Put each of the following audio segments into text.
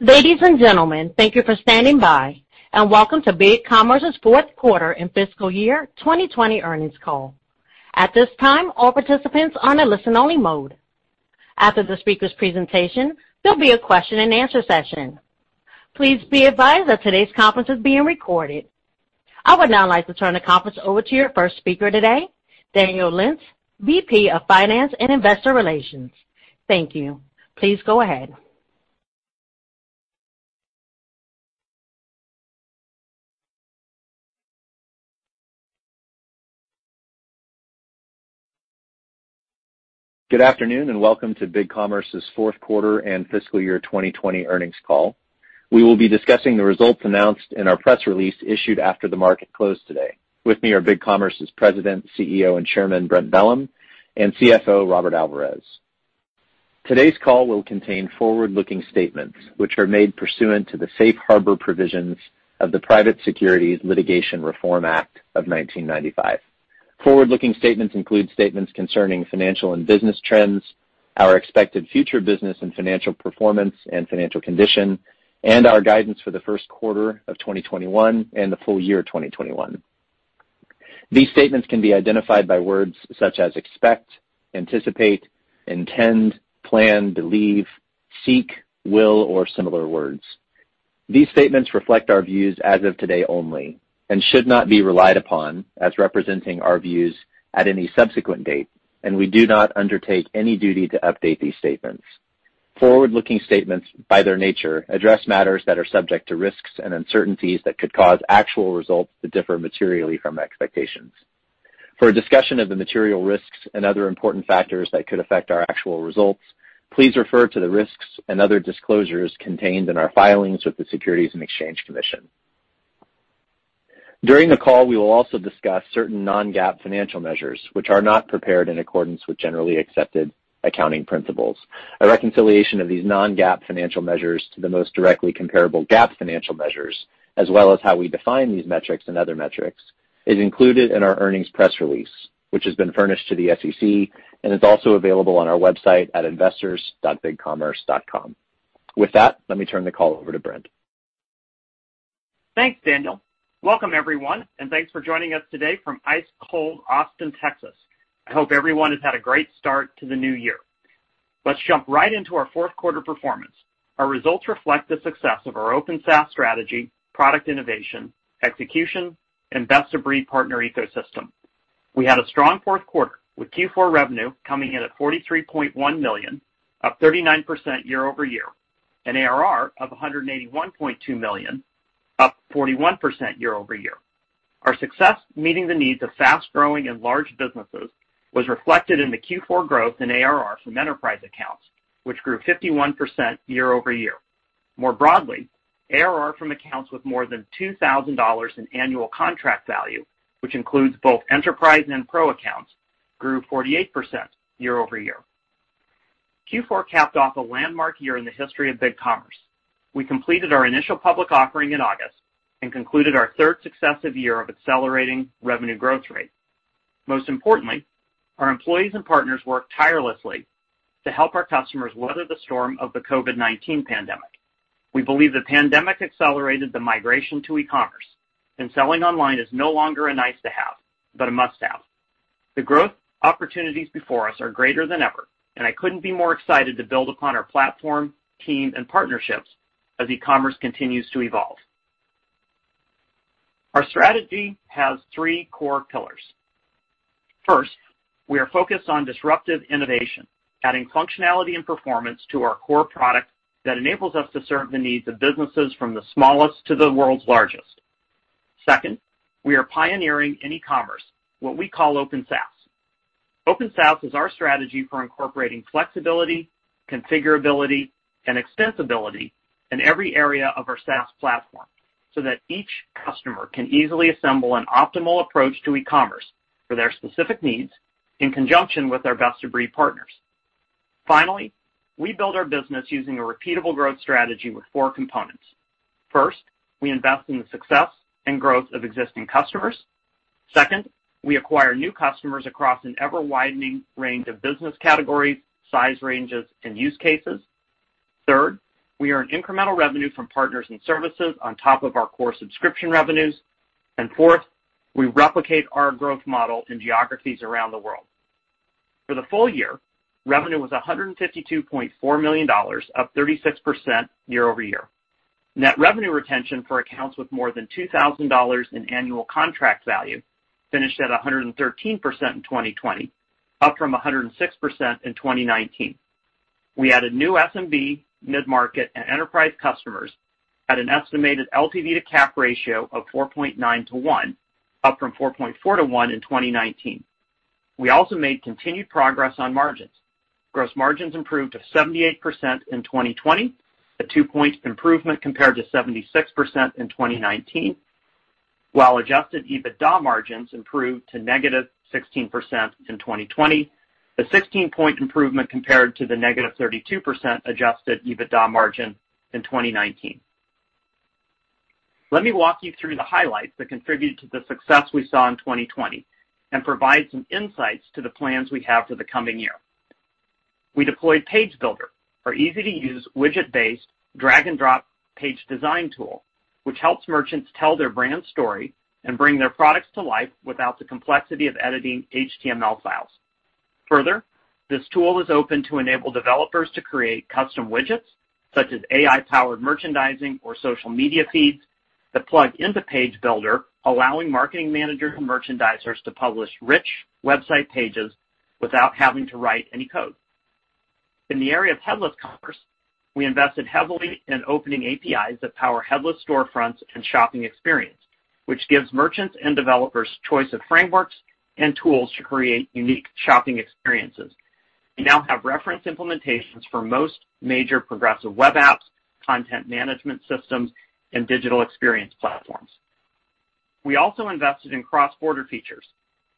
Ladies and gentlemen, thank you for standing by, and welcome to BigCommerce's fourth quarter and fiscal year 2020 earnings call. At this time, all participants are in listen-only mode. After the speaker's presentation, there will be a question-and-answer session. Please be advised that today's conference is being recorded. I would now like to turn the conference over to your first speaker today, Daniel Lentz, VP of Finance and Investor Relations. Thank you. Please go ahead. Good afternoon, welcome to BigCommerce's fourth quarter and fiscal year 2020 earnings call. We will be discussing the results announced in our press release issued after the market closed today. With me are BigCommerce's President, CEO, and Chairman, Brent Bellm, and CFO, Robert Alvarez. Today's call will contain forward-looking statements, which are made pursuant to the Safe Harbor Provisions of the Private Securities Litigation Reform Act of 1995. Forward-looking statements include statements concerning financial and business trends, our expected future business and financial performance and financial condition, and our guidance for the first quarter of 2021 and the full year 2021. These statements can be identified by words such as expect, anticipate, intend, plan, believe, seek, will, or similar words. These statements reflect our views as of today only and should not be relied upon as representing our views at any subsequent date, and we do not undertake any duty to update these statements. Forward-looking statements, by their nature, address matters that are subject to risks and uncertainties that could cause actual results to differ materially from expectations. For a discussion of the material risks and other important factors that could affect our actual results, please refer to the risks and other disclosures contained in our filings with the Securities and Exchange Commission. During the call, we will also discuss certain non-GAAP financial measures, which are not prepared in accordance with generally accepted accounting principles. A reconciliation of these non-GAAP financial measures to the most directly comparable GAAP financial measures, as well as how we define these metrics and other metrics, is included in our earnings press release, which has been furnished to the SEC and is also available on our website at investors.bigcommerce.com. With that, let me turn the call over to Brent. Thanks, Daniel. Welcome everyone, and thanks for joining us today from ice-cold Austin, Texas. I hope everyone has had a great start to the new year. Let's jump right into our fourth quarter performance. Our results reflect the success of our Open SaaS strategy, product innovation, execution, and best-of-breed partner ecosystem. We had a strong fourth quarter with Q4 revenue coming in at $43.1 million, up 39% year-over-year, and ARR of $181.2 million, up 41% year-over-year. Our success meeting the needs of fast-growing and large businesses was reflected in the Q4 growth in ARR from enterprise accounts, which grew 51% year-over-year. More broadly, ARR from accounts with more than $2,000 in annual contract value, which includes both enterprise and pro accounts, grew 48% year-over-year. Q4 capped off a landmark year in the history of BigCommerce. We completed our initial public offering in August and concluded our third successive year of accelerating revenue growth rate. Most importantly, our employees and partners worked tirelessly to help our customers weather the storm of the COVID-19 pandemic. We believe the pandemic accelerated the migration to e-commerce and selling online is no longer a nice-to-have, but a must-have. The growth opportunities before us are greater than ever, and I couldn't be more excited to build upon our platform, team, and partnerships as e-commerce continues to evolve. Our strategy has three core pillars. First, we are focused on disruptive innovation, adding functionality and performance to our core product that enables us to serve the needs of businesses from the smallest to the world's largest. Second, we are pioneering in e-commerce, what we call Open SaaS. Open SaaS is our strategy for incorporating flexibility, configurability, and extensibility in every area of our SaaS platform so that each customer can easily assemble an optimal approach to e-commerce for their specific needs in conjunction with our best-of-breed partners. We build our business using a repeatable growth strategy with four components. We invest in the success and growth of existing customers. We acquire new customers across an ever-widening range of business categories, size ranges, and use cases. We earn incremental revenue from partners and services on top of our core subscription revenues. Fourth, we replicate our growth model in geographies around the world. For the full year, revenue was $152.4 million, up 36% year-over-year. Net revenue retention for accounts with more than $2,000 in annual contract value finished at 113% in 2020, up from 106% in 2019. We added new SMB, mid-market, and enterprise customers at an estimated LTV:CAC ratio of 4.9:1, up from 4.4:1 in 2019. We also made continued progress on margins. Gross margins improved to 78% in 2020, a two-point improvement compared to 76% in 2019. While adjusted EBITDA margins improved to -16% in 2020, a 16-point improvement compared to the -32% adjusted EBITDA margin in 2019. Let me walk you through the highlights that contributed to the success we saw in 2020 and provide some insights to the plans we have for the coming year. We deployed Page Builder, our easy-to-use, widget-based, drag-and-drop page design tool, which helps merchants tell their brand story and bring their products to life without the complexity of editing HTML files. Further, this tool is open to enable developers to create custom widgets, such as AI-powered merchandising or social media feeds that plug into Page Builder, allowing marketing managers and merchandisers to publish rich website pages without having to write any code. In the area of headless commerce, we invested heavily in opening APIs that power headless storefronts and shopping experience, which gives merchants and developers choice of frameworks and tools to create unique shopping experiences. We now have reference implementations for most major progressive web apps, content management systems, and digital experience platforms. We also invested in cross-border features.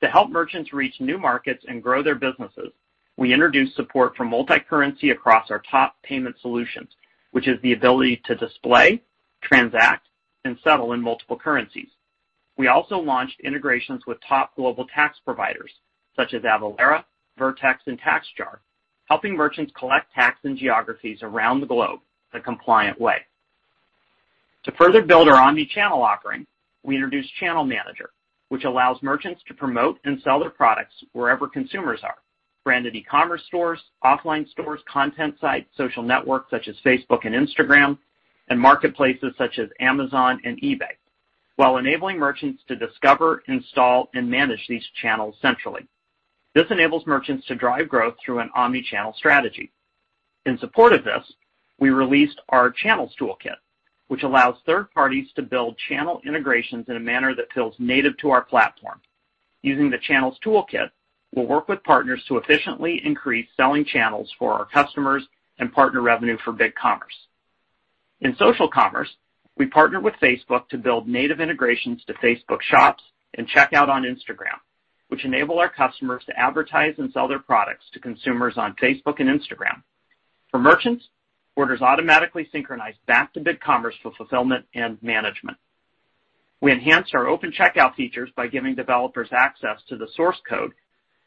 To help merchants reach new markets and grow their businesses, we introduced support for multicurrency across our top payment solutions, which is the ability to display, transact, and settle in multiple currencies. We also launched integrations with top global tax providers such as Avalara, Vertex, and TaxJar, helping merchants collect tax in geographies around the globe in a compliant way. To further build our omnichannel offering, we introduced Channel Manager, which allows merchants to promote and sell their products wherever consumers are, branded e-commerce stores, offline stores, content sites, social networks such as Facebook and Instagram, and marketplaces such as Amazon and eBay, while enabling merchants to discover, install, and manage these channels centrally. This enables merchants to drive growth through an omnichannel strategy. In support of this, we released our Channels Toolkit, which allows third parties to build channel integrations in a manner that feels native to our platform. Using the Channels Toolkit, we'll work with partners to efficiently increase selling channels for our customers and partner revenue for BigCommerce. In social commerce, we partnered with Facebook to build native integrations to Facebook Shops and Checkout on Instagram, which enable our customers to advertise and sell their products to consumers on Facebook and Instagram. For merchants, orders automatically synchronize back to BigCommerce for fulfillment and management. We enhanced our open checkout features by giving developers access to the source code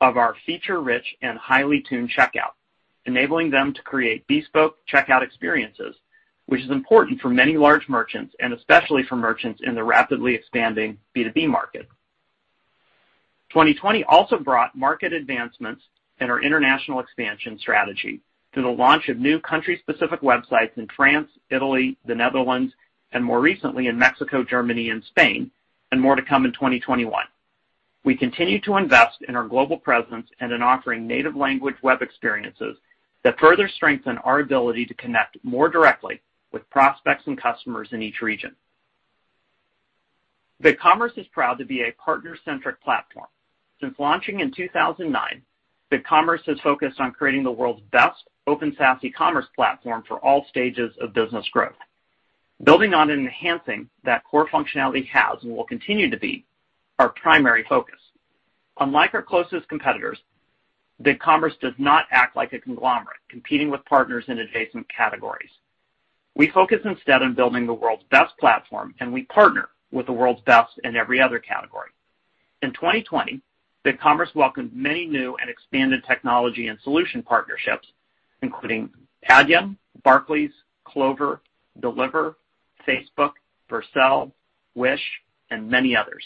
of our feature-rich and highly tuned checkout, enabling them to create bespoke checkout experiences, which is important for many large merchants and especially for merchants in the rapidly expanding B2B market. 2020 also brought market advancements in our international expansion strategy through the launch of new country-specific websites in France, Italy, the Netherlands, and more recently in Mexico, Germany, and Spain, and more to come in 2021. We continue to invest in our global presence and in offering native language web experiences that further strengthen our ability to connect more directly with prospects and customers in each region. BigCommerce is proud to be a partner-centric platform. Since launching in 2009, BigCommerce has focused on creating the world's best Open SaaS e-commerce platform for all stages of business growth. Building on and enhancing that core functionality has and will continue to be our primary focus. Unlike our closest competitors, BigCommerce does not act like a conglomerate, competing with partners in adjacent categories. We focus instead on building the world's best platform, and we partner with the world's best in every other category. In 2020, BigCommerce welcomed many new and expanded technology and solution partnerships, including Adyen, Barclays, Clover, Deliverr, Facebook, Vercel, Wish, and many others.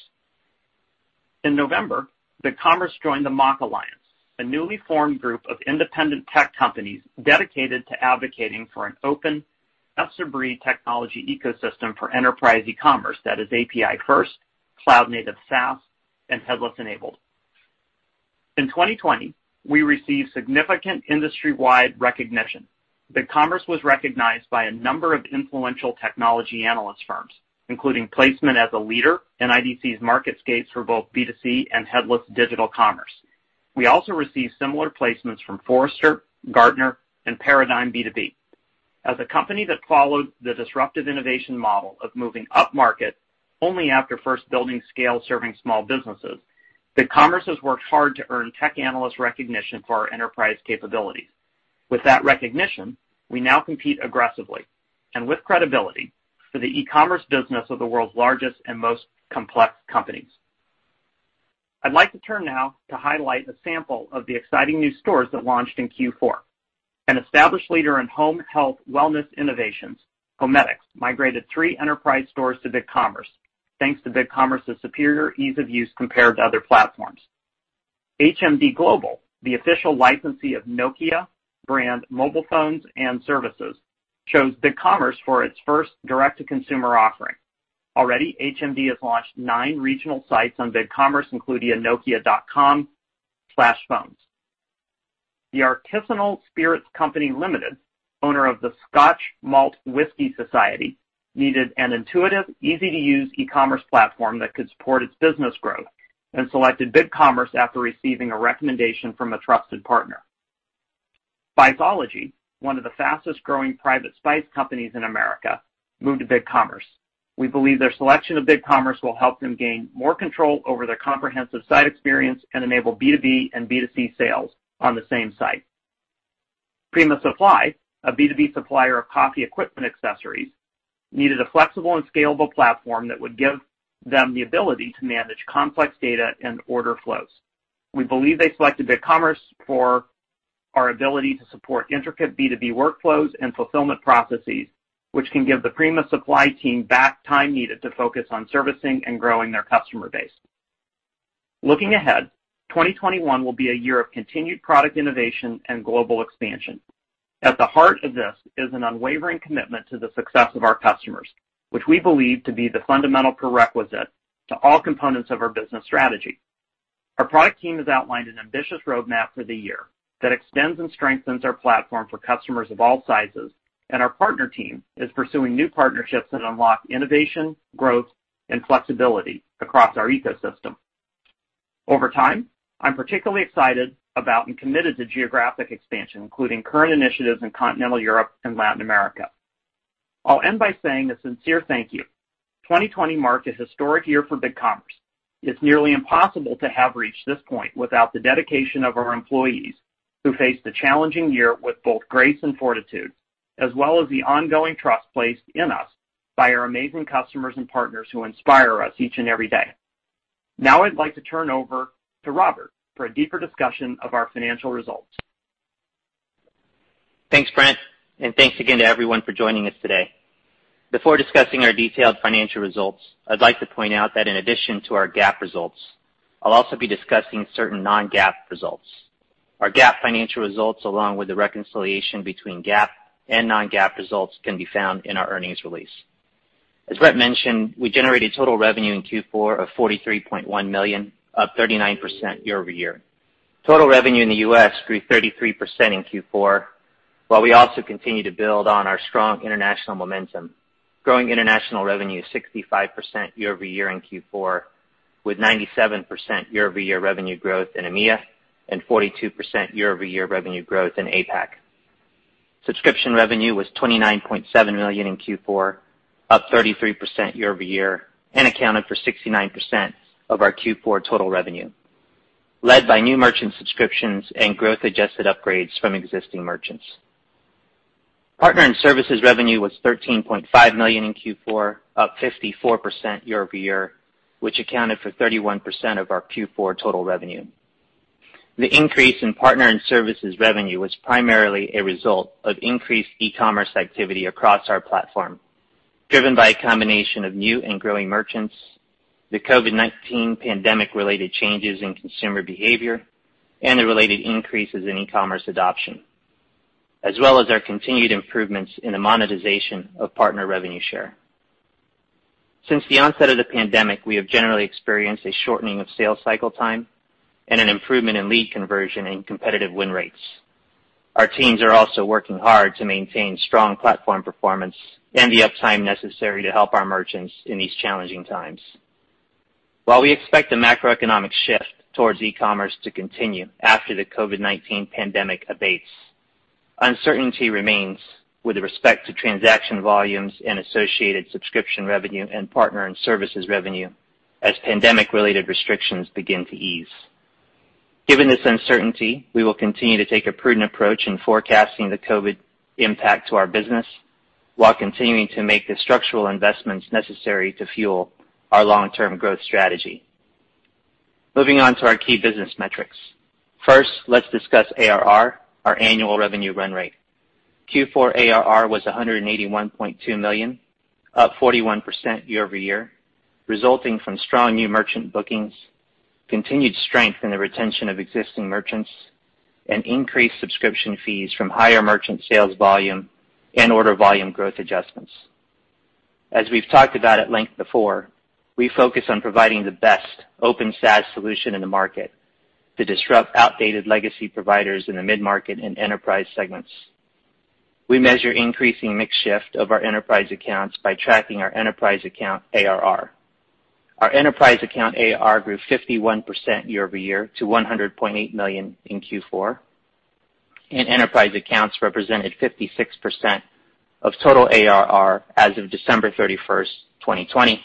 In November, BigCommerce joined the MACH Alliance, a newly formed group of independent tech companies dedicated to advocating for an open best-of-breed technology ecosystem for enterprise e-commerce that is API first, cloud-native SaaS, and headless-enabled. In 2020, we received significant industry-wide recognition. BigCommerce was recognized by a number of influential technology analyst firms, including placement as a leader in IDC MarketScape for both B2C and headless digital commerce. We also received similar placements from Forrester, Gartner, and Paradigm B2B. As a company that followed the disruptive innovation model of moving upmarket only after first building scale serving small businesses, BigCommerce has worked hard to earn tech analyst recognition for our enterprise capabilities. With that recognition, we now compete aggressively, and with credibility, for the e-commerce business of the world's largest and most complex companies. I'd like to turn now to highlight a sample of the exciting new stores that launched in Q4. An established leader in home health wellness innovations, HoMedics, migrated three enterprise stores to BigCommerce, thanks to BigCommerce's superior ease of use compared to other platforms. HMD Global, the official licensee of Nokia brand mobile phones and services, chose BigCommerce for its first direct-to-consumer offering. Already, HMD has launched nine regional sites on BigCommerce, including nokia.com/phones. The Artisanal Spirits Company Limited, owner of The Scotch Malt Whisky Society, needed an intuitive, easy-to-use e-commerce platform that could support its business growth and selected BigCommerce after receiving a recommendation from a trusted partner. Spiceology, one of the fastest-growing private spice companies in America, moved to BigCommerce. We believe their selection of BigCommerce will help them gain more control over their comprehensive site experience and enable B2B and B2C sales on the same site. Prima Supply, a B2B supplier of coffee equipment accessories, needed a flexible and scalable platform that would give them the ability to manage complex data and order flows. We believe they selected BigCommerce for our ability to support intricate B2B workflows and fulfillment processes, which can give the Prima Supply team back time needed to focus on servicing and growing their customer base. Looking ahead, 2021 will be a year of continued product innovation and global expansion. At the heart of this is an unwavering commitment to the success of our customers, which we believe to be the fundamental prerequisite to all components of our business strategy. Our product team has outlined an ambitious roadmap for the year that extends and strengthens our platform for customers of all sizes, and our partner team is pursuing new partnerships that unlock innovation, growth, and flexibility across our ecosystem. Over time, I'm particularly excited about and committed to geographic expansion, including current initiatives in continental Europe and Latin America. I'll end by saying a sincere thank you. 2020 marked a historic year for BigCommerce. It's nearly impossible to have reached this point without the dedication of our employees, who faced a challenging year with both grace and fortitude, as well as the ongoing trust placed in us by our amazing customers and partners who inspire us each and every day. Now I'd like to turn over to Robert for a deeper discussion of our financial results. Thanks, Brent, thanks again to everyone for joining us today. Before discussing our detailed financial results, I'd like to point out that in addition to our GAAP results, I'll also be discussing certain non-GAAP results. Our GAAP financial results, along with the reconciliation between GAAP and non-GAAP results, can be found in our earnings release. As Brent mentioned, we generated total revenue in Q4 of $43.1 million, up 39% year-over-year. Total revenue in the U.S. grew 33% in Q4, while we also continue to build on our strong international momentum, growing international revenue 65% year-over-year in Q4, with 97% year-over-year revenue growth in EMEA and 42% year-over-year revenue growth in APAC. Subscription revenue was $29.7 million in Q4, up 33% year-over-year, and accounted for 69% of our Q4 total revenue, led by new merchant subscriptions and growth-adjusted upgrades from existing merchants. Partner and services revenue was $13.5 million in Q4, up 54% year-over-year, which accounted for 31% of our Q4 total revenue. The increase in partner and services revenue was primarily a result of increased e-commerce activity across our platform, driven by a combination of new and growing merchants, the COVID-19 pandemic-related changes in consumer behavior, and the related increases in e-commerce adoption, as well as our continued improvements in the monetization of partner revenue share. Since the onset of the pandemic, we have generally experienced a shortening of sales cycle time and an improvement in lead conversion and competitive win rates. Our teams are also working hard to maintain strong platform performance and the uptime necessary to help our merchants in these challenging times. While we expect the macroeconomic shift towards e-commerce to continue after the COVID-19 pandemic abates, uncertainty remains with respect to transaction volumes and associated subscription revenue and partner and services revenue as pandemic-related restrictions begin to ease. Given this uncertainty, we will continue to take a prudent approach in forecasting the COVID impact to our business while continuing to make the structural investments necessary to fuel our long-term growth strategy. Moving on to our key business metrics. First, let's discuss ARR, our annual revenue run rate. Q4 ARR was $181.2 million, up 41% year-over-year, resulting from strong new merchant bookings, continued strength in the retention of existing merchants, and increased subscription fees from higher merchant sales volume and order volume growth adjustments. As we've talked about at length before, we focus on providing the best Open SaaS solution in the market to disrupt outdated legacy providers in the mid-market and enterprise segments. We measure increasing mix shift of our enterprise accounts by tracking our enterprise account ARR. Our enterprise account ARR grew 51% year-over-year to $100.8 million in Q4, and enterprise accounts represented 56% of total ARR as of December 31st, 2020,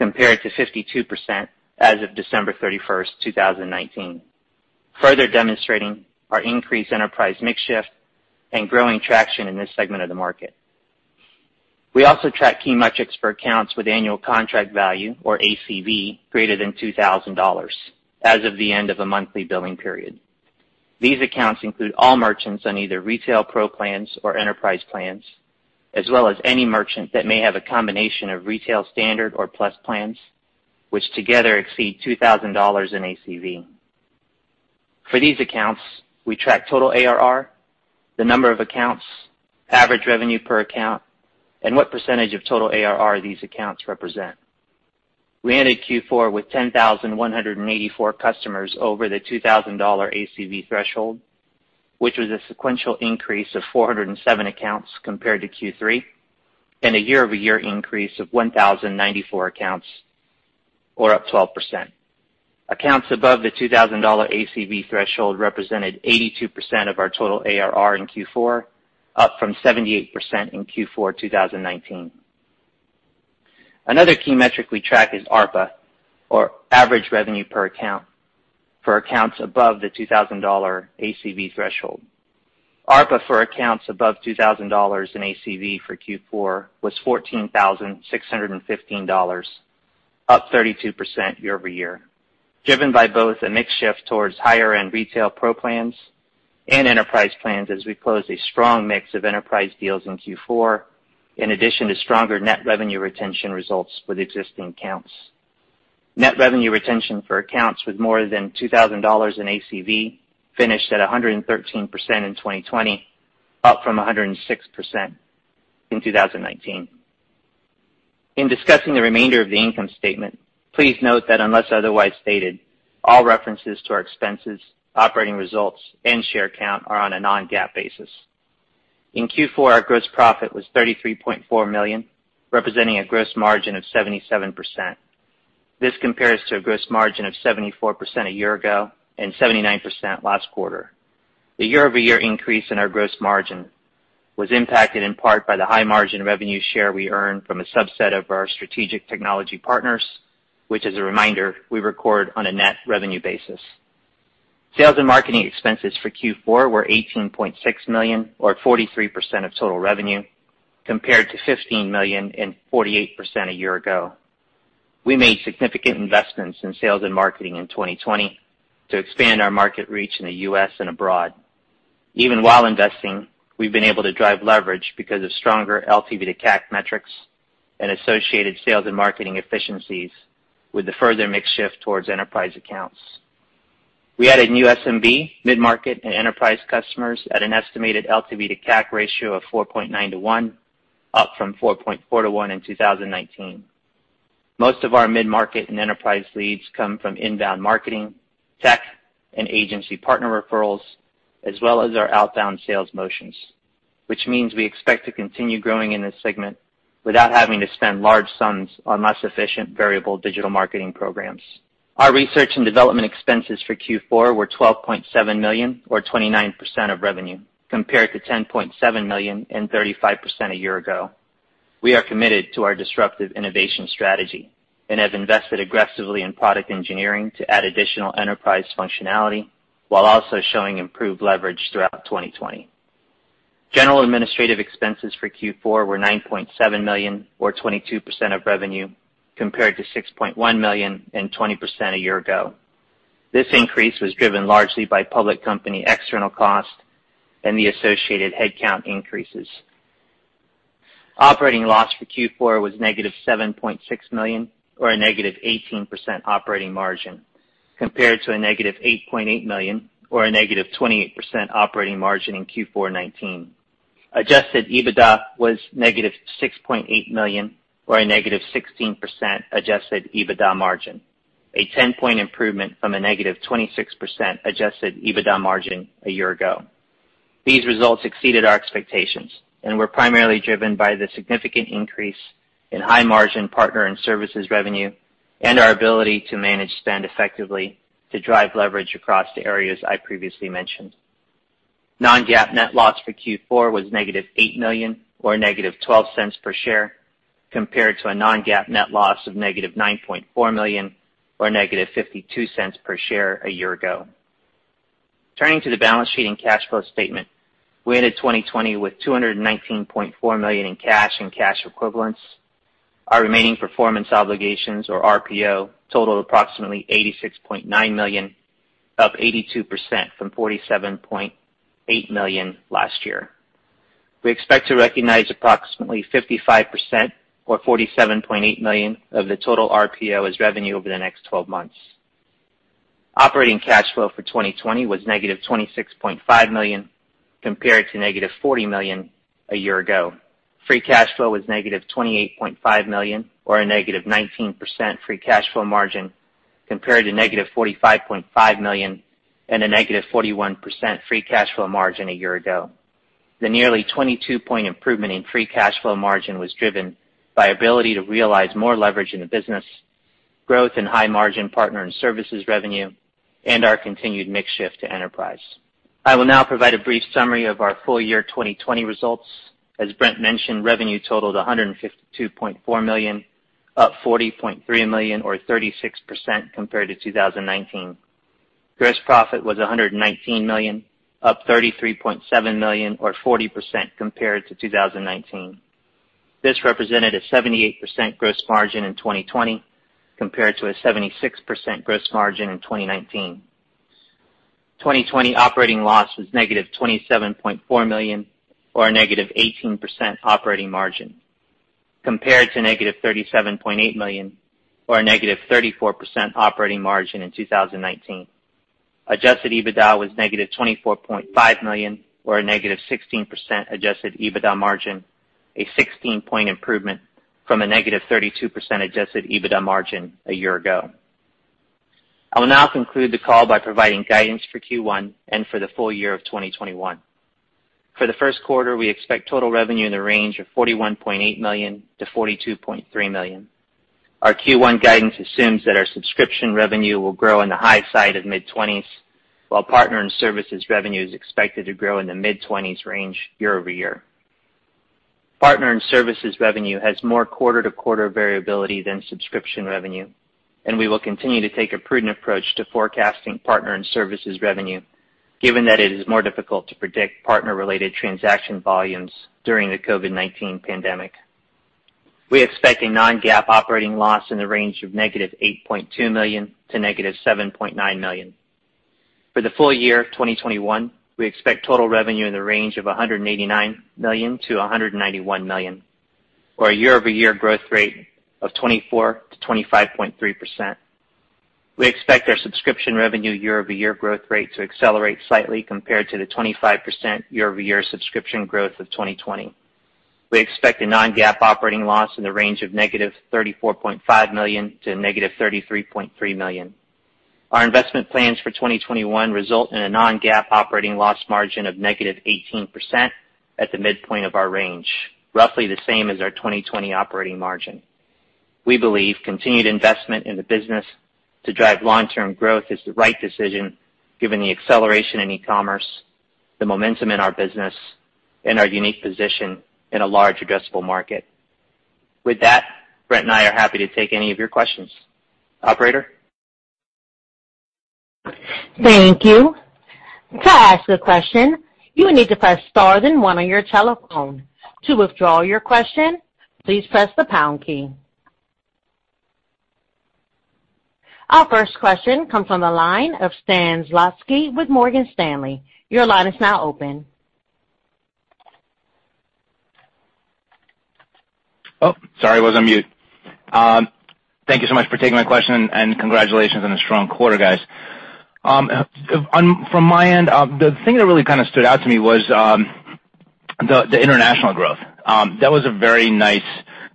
compared to 52% as of December 31st, 2019, further demonstrating our increased enterprise mix shift and growing traction in this segment of the market. We also track key metrics for accounts with annual contract value, or ACV, greater than $2,000 as of the end of a monthly billing period. These accounts include all merchants on either Retail Pro plans or Enterprise plans, as well as any merchant that may have a combination of Retail Standard or Plus plans, which together exceed $2,000 in ACV. For these accounts, we track total ARR, the number of accounts, average revenue per account, and what percentage of total ARR these accounts represent. We ended Q4 with 10,184 customers over the $2,000 ACV threshold, which was a sequential increase of 407 accounts compared to Q3, and a year-over-year increase of 1,094 accounts, or up 12%. Accounts above the $2,000 ACV threshold represented 82% of our total ARR in Q4, up from 78% in Q4 2019. Another key metric we track is ARPA, or average revenue per account, for accounts above the $2,000 ACV threshold. ARPA for accounts above $2,000 in ACV for Q4 was $14,615, up 32% year-over-year, driven by both a mix shift towards higher-end Retail Pro plans and enterprise plans as we closed a strong mix of enterprise deals in Q4, in addition to stronger net revenue retention results with existing accounts. Net revenue retention for accounts with more than $2,000 in ACV finished at 113% in 2020, up from 106% in 2019. In discussing the remainder of the income statement, please note that unless otherwise stated, all references to our expenses, operating results, and share count are on a non-GAAP basis. In Q4, our gross profit was $33.4 million, representing a gross margin of 77%. This compares to a gross margin of 74% a year ago and 79% last quarter. The year-over-year increase in our gross margin was impacted in part by the high margin revenue share we earned from a subset of our strategic technology partners, which, as a reminder, we record on a net revenue basis. Sales and marketing expenses for Q4 were $18.6 million, or 43% of total revenue, compared to $15 million and 48% a year ago. We made significant investments in sales and marketing in 2020 to expand our market reach in the U.S. and abroad. Even while investing, we've been able to drive leverage because of stronger LTV:CAC metrics and associated sales and marketing efficiencies with the further mix shift towards enterprise accounts. We added new SMB, mid-market, and enterprise customers at an estimated LTV:CAC ratio of 4.9:1, up from 4.4:1 in 2019. Most of our mid-market and enterprise leads come from inbound marketing, tech and agency partner referrals, as well as our outbound sales motions, which means we expect to continue growing in this segment without having to spend large sums on less efficient variable digital marketing programs. Our research and development expenses for Q4 were $12.7 million, or 29% of revenue, compared to $10.7 million and 35% a year ago. We are committed to our disruptive innovation strategy and have invested aggressively in product engineering to add additional enterprise functionality while also showing improved leverage throughout 2020. General administrative expenses for Q4 were $9.7 million, or 22% of revenue, compared to $6.1 million and 20% a year ago. This increase was driven largely by public company external costs and the associated headcount increases. Operating loss for Q4 was -$7.6 million, or a -18% operating margin, compared to a -$8.8 million or a -28% operating margin in Q4 2019. Adjusted EBITDA was -$6.8 million, or a -16% adjusted EBITDA margin, a 10-point improvement from a -26% adjusted EBITDA margin a year ago. These results exceeded our expectations and were primarily driven by the significant increase in high-margin partner and services revenue and our ability to manage spend effectively to drive leverage across the areas I previously mentioned. Non-GAAP net loss for Q4 was -$8 million, or -$0.12 per share, compared to a non-GAAP net loss of -$9.4 million or -$0.52 per share a year ago. Turning to the balance sheet and cash flow statement. We ended 2020 with $219.4 million in cash and cash equivalents. Our remaining performance obligations, or RPO, totaled approximately $86.9 million, up 82% from $47.8 million last year. We expect to recognize approximately 55%, or $47.8 million of the total RPO as revenue over the next 12 months. Operating cash flow for 2020 was -$26.5 million, compared to -$40 million a year ago. Free cash flow was -$28.5 million, or a -19% free cash flow margin, compared to -$45.5 million and a -41% free cash flow margin a year ago. The nearly 22-point improvement in free cash flow margin was driven by ability to realize more leverage in the business, growth in high-margin partner and services revenue, and our continued mix shift to enterprise. I will now provide a brief summary of our full year 2020 results. As Brent mentioned, revenue totaled $152.4 million, up $40.3 million, or 36% compared to 2019. Gross profit was $119 million, up $33.7 million, or 40% compared to 2019. This represented a 78% gross margin in 2020, compared to a 76% gross margin in 2019. 2020 operating loss was -$27.4 million, or a -18% operating margin, compared to -$37.8 million or a -34% operating margin in 2019. Adjusted EBITDA was -$24.5 million, or a -16% adjusted EBITDA margin, a 16-point improvement from a -32% adjusted EBITDA margin a year ago. I will now conclude the call by providing guidance for Q1 and for the full year of 2021. For the first quarter, we expect total revenue in the range of $41.8 million-$42.3 million. Our Q1 guidance assumes that our subscription revenue will grow in the high side of mid-20s, while partner and services revenue is expected to grow in the mid-20s range year-over-year. Partner and services revenue has more quarter-to-quarter variability than subscription revenue, and we will continue to take a prudent approach to forecasting partner and services revenue, given that it is more difficult to predict partner-related transaction volumes during the COVID-19 pandemic. We expect a non-GAAP operating loss in the range of -$8.2 million to -$7.9 million. For the full year of 2021, we expect total revenue in the range of $189 million-$191 million, or a year-over-year growth rate of 24%-25.3%. We expect our subscription revenue year-over-year growth rate to accelerate slightly compared to the 25% year-over-year subscription growth of 2020. We expect a non-GAAP operating loss in the range of -$34.5 million to -$33.3 million. Our investment plans for 2021 result in a non-GAAP operating loss margin of -18% at the midpoint of our range, roughly the same as our 2020 operating margin. We believe continued investment in the business to drive long-term growth is the right decision given the acceleration in e-commerce, the momentum in our business, and our unique position in a large addressable market. With that, Brent and I are happy to take any of your questions. Operator? Thank you. To ask a question, you need to press star then one on your telephone. To withdraw your question, please press the pound key. Our first question comes on the line of Stan Zlotsky with Morgan Stanley. Your line is now open. Oh, sorry, I was on mute. Thank you so much for taking my question, and congratulations on a strong quarter, guys. From my end, the thing that really stood out to me was the international growth. That was a very nice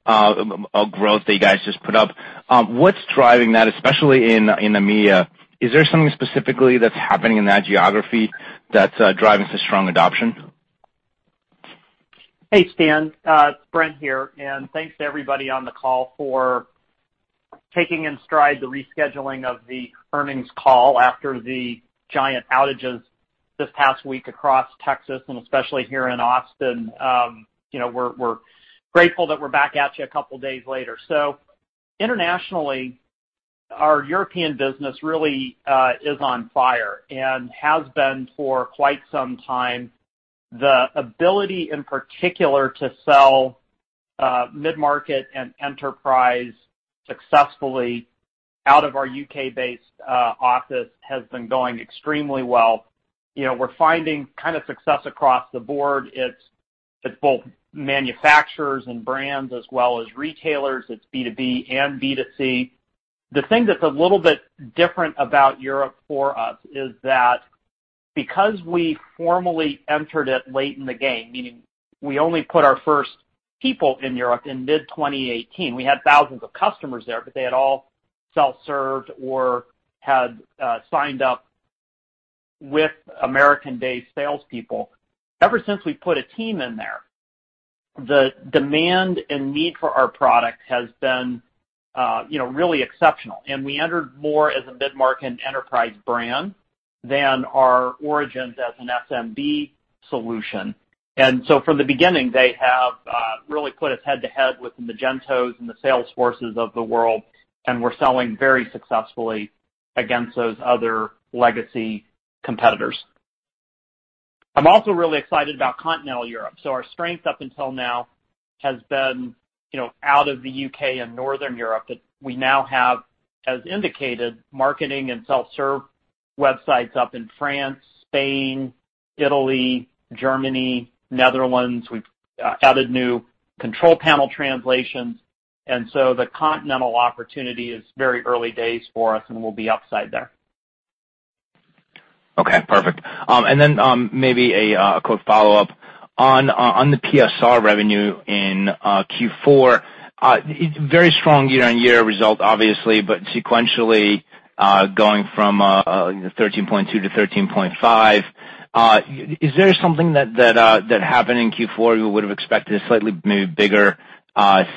growth that you guys just put up. What's driving that, especially in EMEA? Is there something specifically that's happening in that geography that's driving such strong adoption? Hey, Stan. Brent here. Thanks to everybody on the call for taking in stride the rescheduling of the earnings call after the giant outages this past week across Texas, and especially here in Austin. We're grateful that we're back at you a couple of days later. Internationally, our European business really is on fire and has been for quite some time. The ability, in particular, to sell mid-market and enterprise successfully out of our U.K.-based office has been going extremely well. We're finding success across the board. It's both manufacturers and brands as well as retailers. It's B2B and B2C. The thing that's a little bit different about Europe for us is that because we formally entered it late in the game, meaning we only put our first people in Europe in mid-2018, we had thousands of customers there, but they had all self-served or had signed up with American-based salespeople. Ever since we put a team in there, the demand and need for our product has been really exceptional. We entered more as a mid-market and enterprise brand than our origins as an SMB solution. From the beginning, they have really put us head-to-head with the Magento and the Salesforce of the world, and we're selling very successfully against those other legacy competitors. I'm also really excited about Continental Europe. Our strength up until now has been out of the U.K. and Northern Europe, but we now have, as indicated, marketing and self-serve websites up in France, Spain, Italy, Germany, Netherlands. We've added new control panel translations, and so the continental opportunity is very early days for us, and we'll be upside there. Okay, perfect. Maybe a quick follow-up. On the PSR revenue in Q4, very strong year-on-year result, obviously, but sequentially, going from $13.2-$13.5. Is there something that happened in Q4 you would've expected a slightly maybe bigger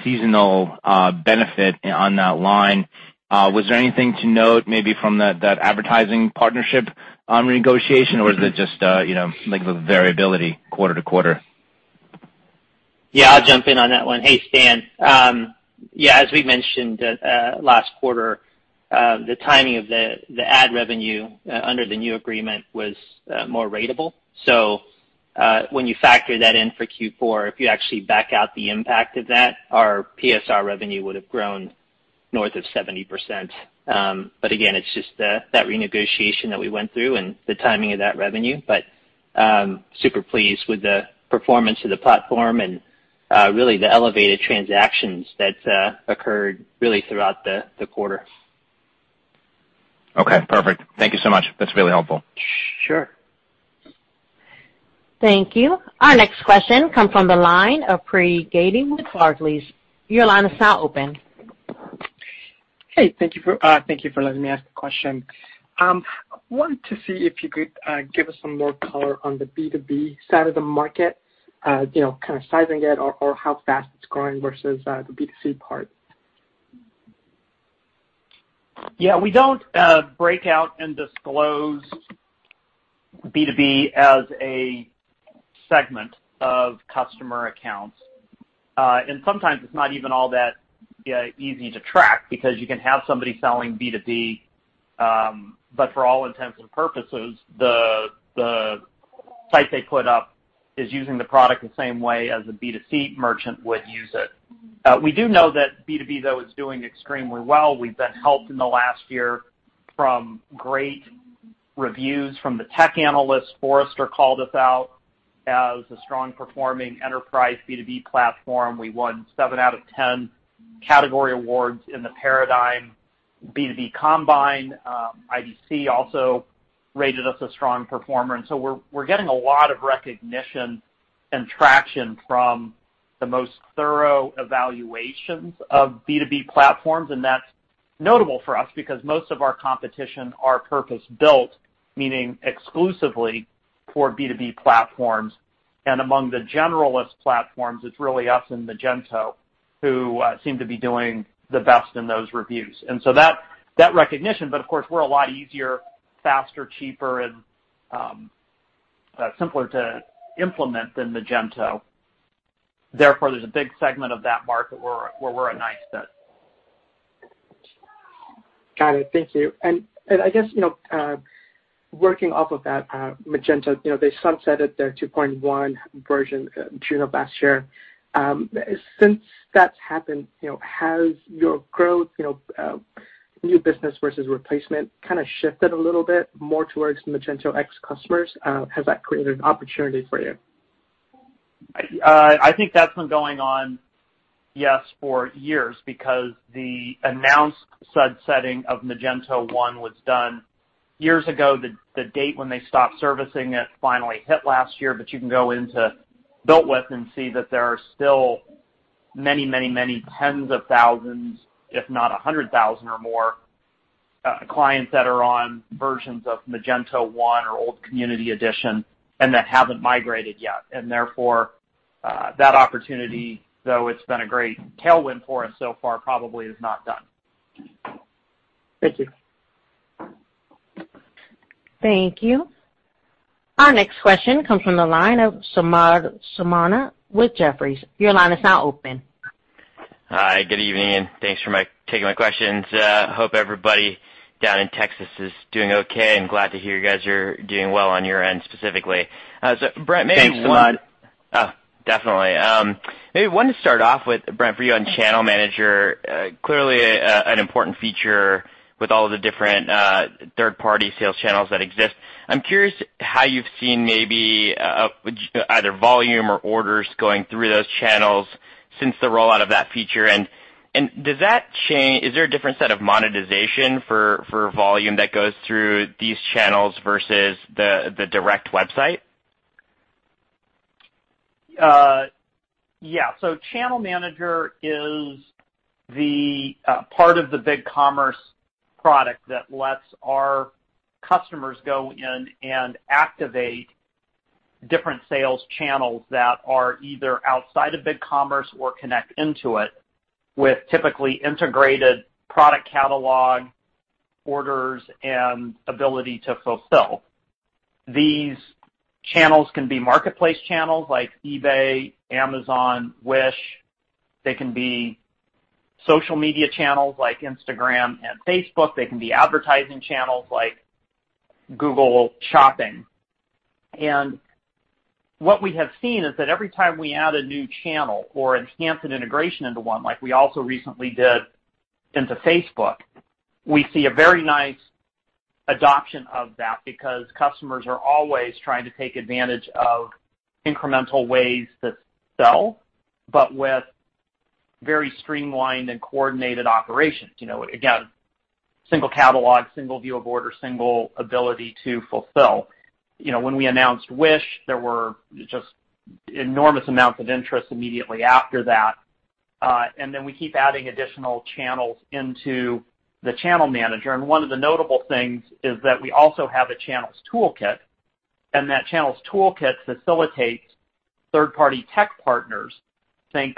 seasonal benefit on that line? Was there anything to note maybe from that advertising partnership renegotiation, or is it just like the variability quarter-to-quarter? Yeah, I'll jump in on that one. Hey, Stan. Yeah, as we mentioned last quarter, the timing of the ad revenue under the new agreement was more ratable. When you factor that in for Q4, if you actually back out the impact of that, our PSR revenue would have grown north of 70%. Again, it's just that renegotiation that we went through and the timing of that revenue. Super pleased with the performance of the platform and really the elevated transactions that occurred really throughout the quarter. Okay, perfect. Thank you so much. That is really helpful. Sure. Thank you. Our next question comes from the line of Pree Gadey with Barclays. Hey, thank you for letting me ask a question. Wanted to see if you could give us some more color on the B2B side of the market, kind of sizing it or how fast it's growing versus the B2C part? Yeah. We don't break out and disclose B2B as a segment of customer accounts. And sometimes it's not even all that easy to track because you can have somebody selling B2B, but for all intents and purposes, the site they put up is using the product the same way as a B2C merchant would use it. We do know that B2B, though, is doing extremely well. We've been helped in the last year from great reviews from the tech analysts. Forrester called us out as a strong-performing enterprise B2B platform. We won seven out of 10 category awards in the Paradigm B2B Combine. IDC also rated us a strong performer. We're getting a lot of recognition and traction from the most thorough evaluations of B2B platforms, and that's notable for us because most of our competition are purpose-built, meaning exclusively for B2B platforms. Among the generalist platforms, it's really us and Magento who seem to be doing the best in those reviews. That recognition, but of course, we're a lot easier, faster, cheaper, and simpler to implement than Magento. Therefore, there's a big segment of that market where we're a nice fit. Got it. Thank you. I guess, working off of that, Magento, they sunsetted their 2.1 version June of last year. Since that's happened, has your growth, new business versus replacement, kind of shifted a little bit more towards Magento X customers? Has that created an opportunity for you? I think that's been going on, yes, for years because the announced sunsetting of Magento 1 was done years ago. The date when they stopped servicing it finally hit last year, but you can go into BuiltWith and see that there are still many tens of thousands, if not 100,000 or more, clients that are on versions of Magento 1 or old community edition and that haven't migrated yet. Therefore, that opportunity, though it's been a great tailwind for us so far, probably is not done. Thank you. Thank you. Our next question comes from the line of Samad Samana with Jefferies. Hi, good evening, and thanks for taking my questions. Hope everybody down in Texas is doing okay, and glad to hear you guys are doing well on your end, specifically. Brent. Thanks a lot. Oh, definitely. Maybe wanted to start off with, Brent, for you on Channel Manager, clearly an important feature with all of the different third-party sales channels that exist. I'm curious how you've seen maybe either volume or orders going through those channels since the rollout of that feature. Is there a different set of monetization for volume that goes through these channels versus the direct website? Yeah. Channel Manager is the part of the BigCommerce product that lets our customers go in and activate different sales channels that are either outside of BigCommerce or connect into it with typically integrated product catalog, orders, and ability to fulfill. These channels can be marketplace channels like eBay, Amazon, Wish. They can be social media channels like Instagram and Facebook. They can be advertising channels like Google Shopping. What we have seen is that every time we add a new channel or enhance an integration into one, like we also recently did into Facebook, we see a very nice adoption of that because customers are always trying to take advantage of incremental ways to sell, but with very streamlined and coordinated operations. Again, single catalog, single view of order, single ability to fulfill. When we announced Wish, there were just enormous amounts of interest immediately after that. Then we keep adding additional channels into the Channel Manager. One of the notable things is that we also have a Channels toolkit, and that Channels toolkit facilitates third-party tech partners, think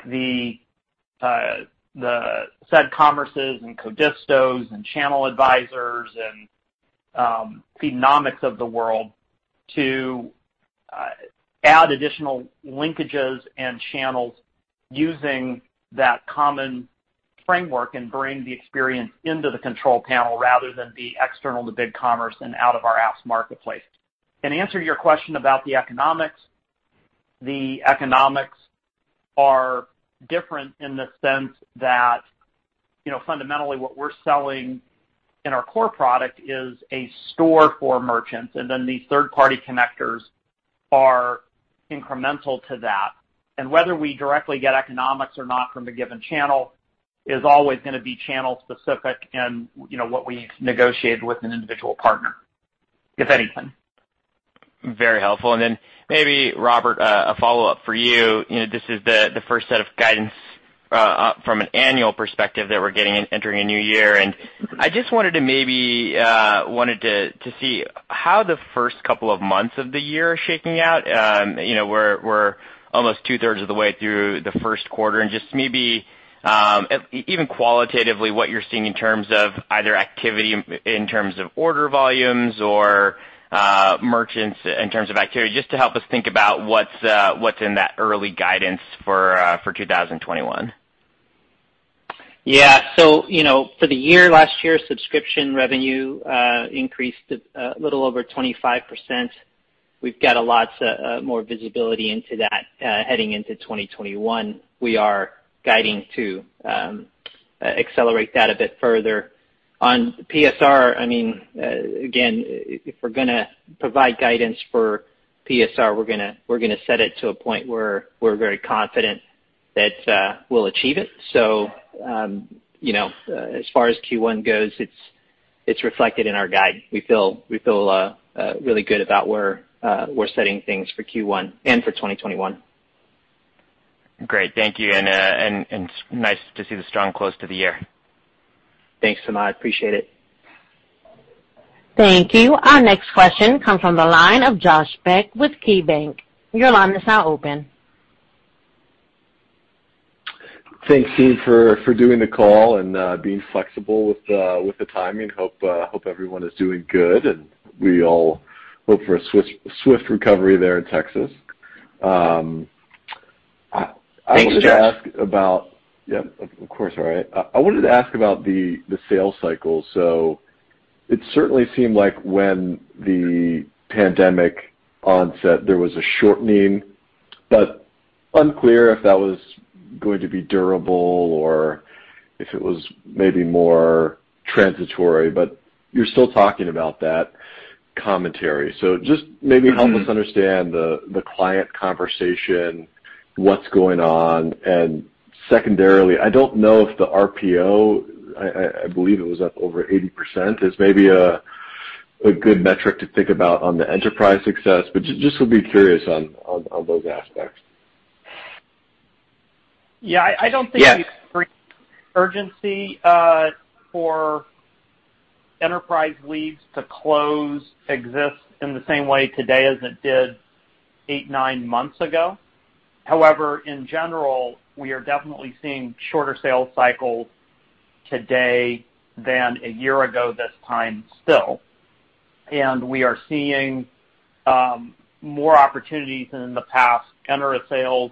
the CedCommerces, Codistos, ChannelAdvisors, and Feedonomics of the world, to add additional linkages and channels using that common framework and bring the experience into the control panel rather than be external to BigCommerce and out of our apps marketplace. To answer your question about the economics, the economics are different in the sense that fundamentally what we're selling in our core product is a store for merchants, and then these third-party connectors are incremental to that. Whether we directly get economics or not from a given channel is always going to be channel specific and what we negotiate with an individual partner, if anything. Very helpful. Maybe, Robert, a follow-up for you. This is the first set of guidance from an annual perspective that we're getting entering a new year. I just maybe wanted to see how the first couple of months of the year are shaking out. We're almost 2/3 of the way through the first quarter, just maybe, even qualitatively, what you're seeing in terms of either activity in terms of order volumes or merchants in terms of activity, just to help us think about what's in that early guidance for 2021. Yeah. For the year last year, subscription revenue increased a little over 25%. We've got a lot more visibility into that heading into 2021. We are guiding to accelerate that a bit further. On PSR, again, if we're going to provide guidance for PSR, we're going to set it to a point where we're very confident that we'll achieve it. As far as Q1 goes, it's reflected in our guide. We feel really good about where we're setting things for Q1 and for 2021. Great. Thank you. Nice to see the strong close to the year. Thanks, Samad. Appreciate it. Thank you. Our next question comes from the line of Josh Beck with KeyBanc. Your line is now open. Thank you for doing the call and being flexible with the timing. Hope everyone is doing good, and we all hope for a swift recovery there in Texas. Thanks, Josh. Of course. All right. I wanted to ask about the sales cycle. It certainly seemed like when the pandemic onset, there was a shortening, but unclear if that was going to be durable or if it was maybe more transitory, but you're still talking about that commentary. Just maybe help us understand the client conversation, what's going on. Secondarily, I don't know if the RPO, I believe it was up over 80%, is maybe a good metric to think about on the enterprise success, but just would be curious on those aspects. Yeah. I don't Yes Urgency for enterprise leads to close exists in the same way today as it did eight, nine months ago. However, in general, we are definitely seeing shorter sales cycles today than one year ago this time still. We are seeing more opportunities than in the past enter a sales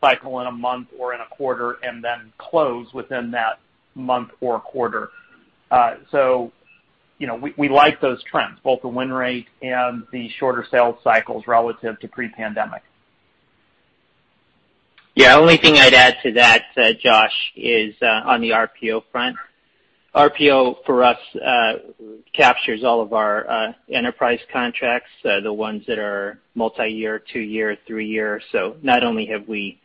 cycle in one month or in one quarter, and then close within that one month or one quarter. We like those trends, both the win rate and the shorter sales cycles relative to pre-pandemic. Yeah. Only thing I'd add to that, Josh, is on the RPO front. RPO for us captures all of our enterprise contracts, the ones that are multi-year, two-year, three-year. Not only have we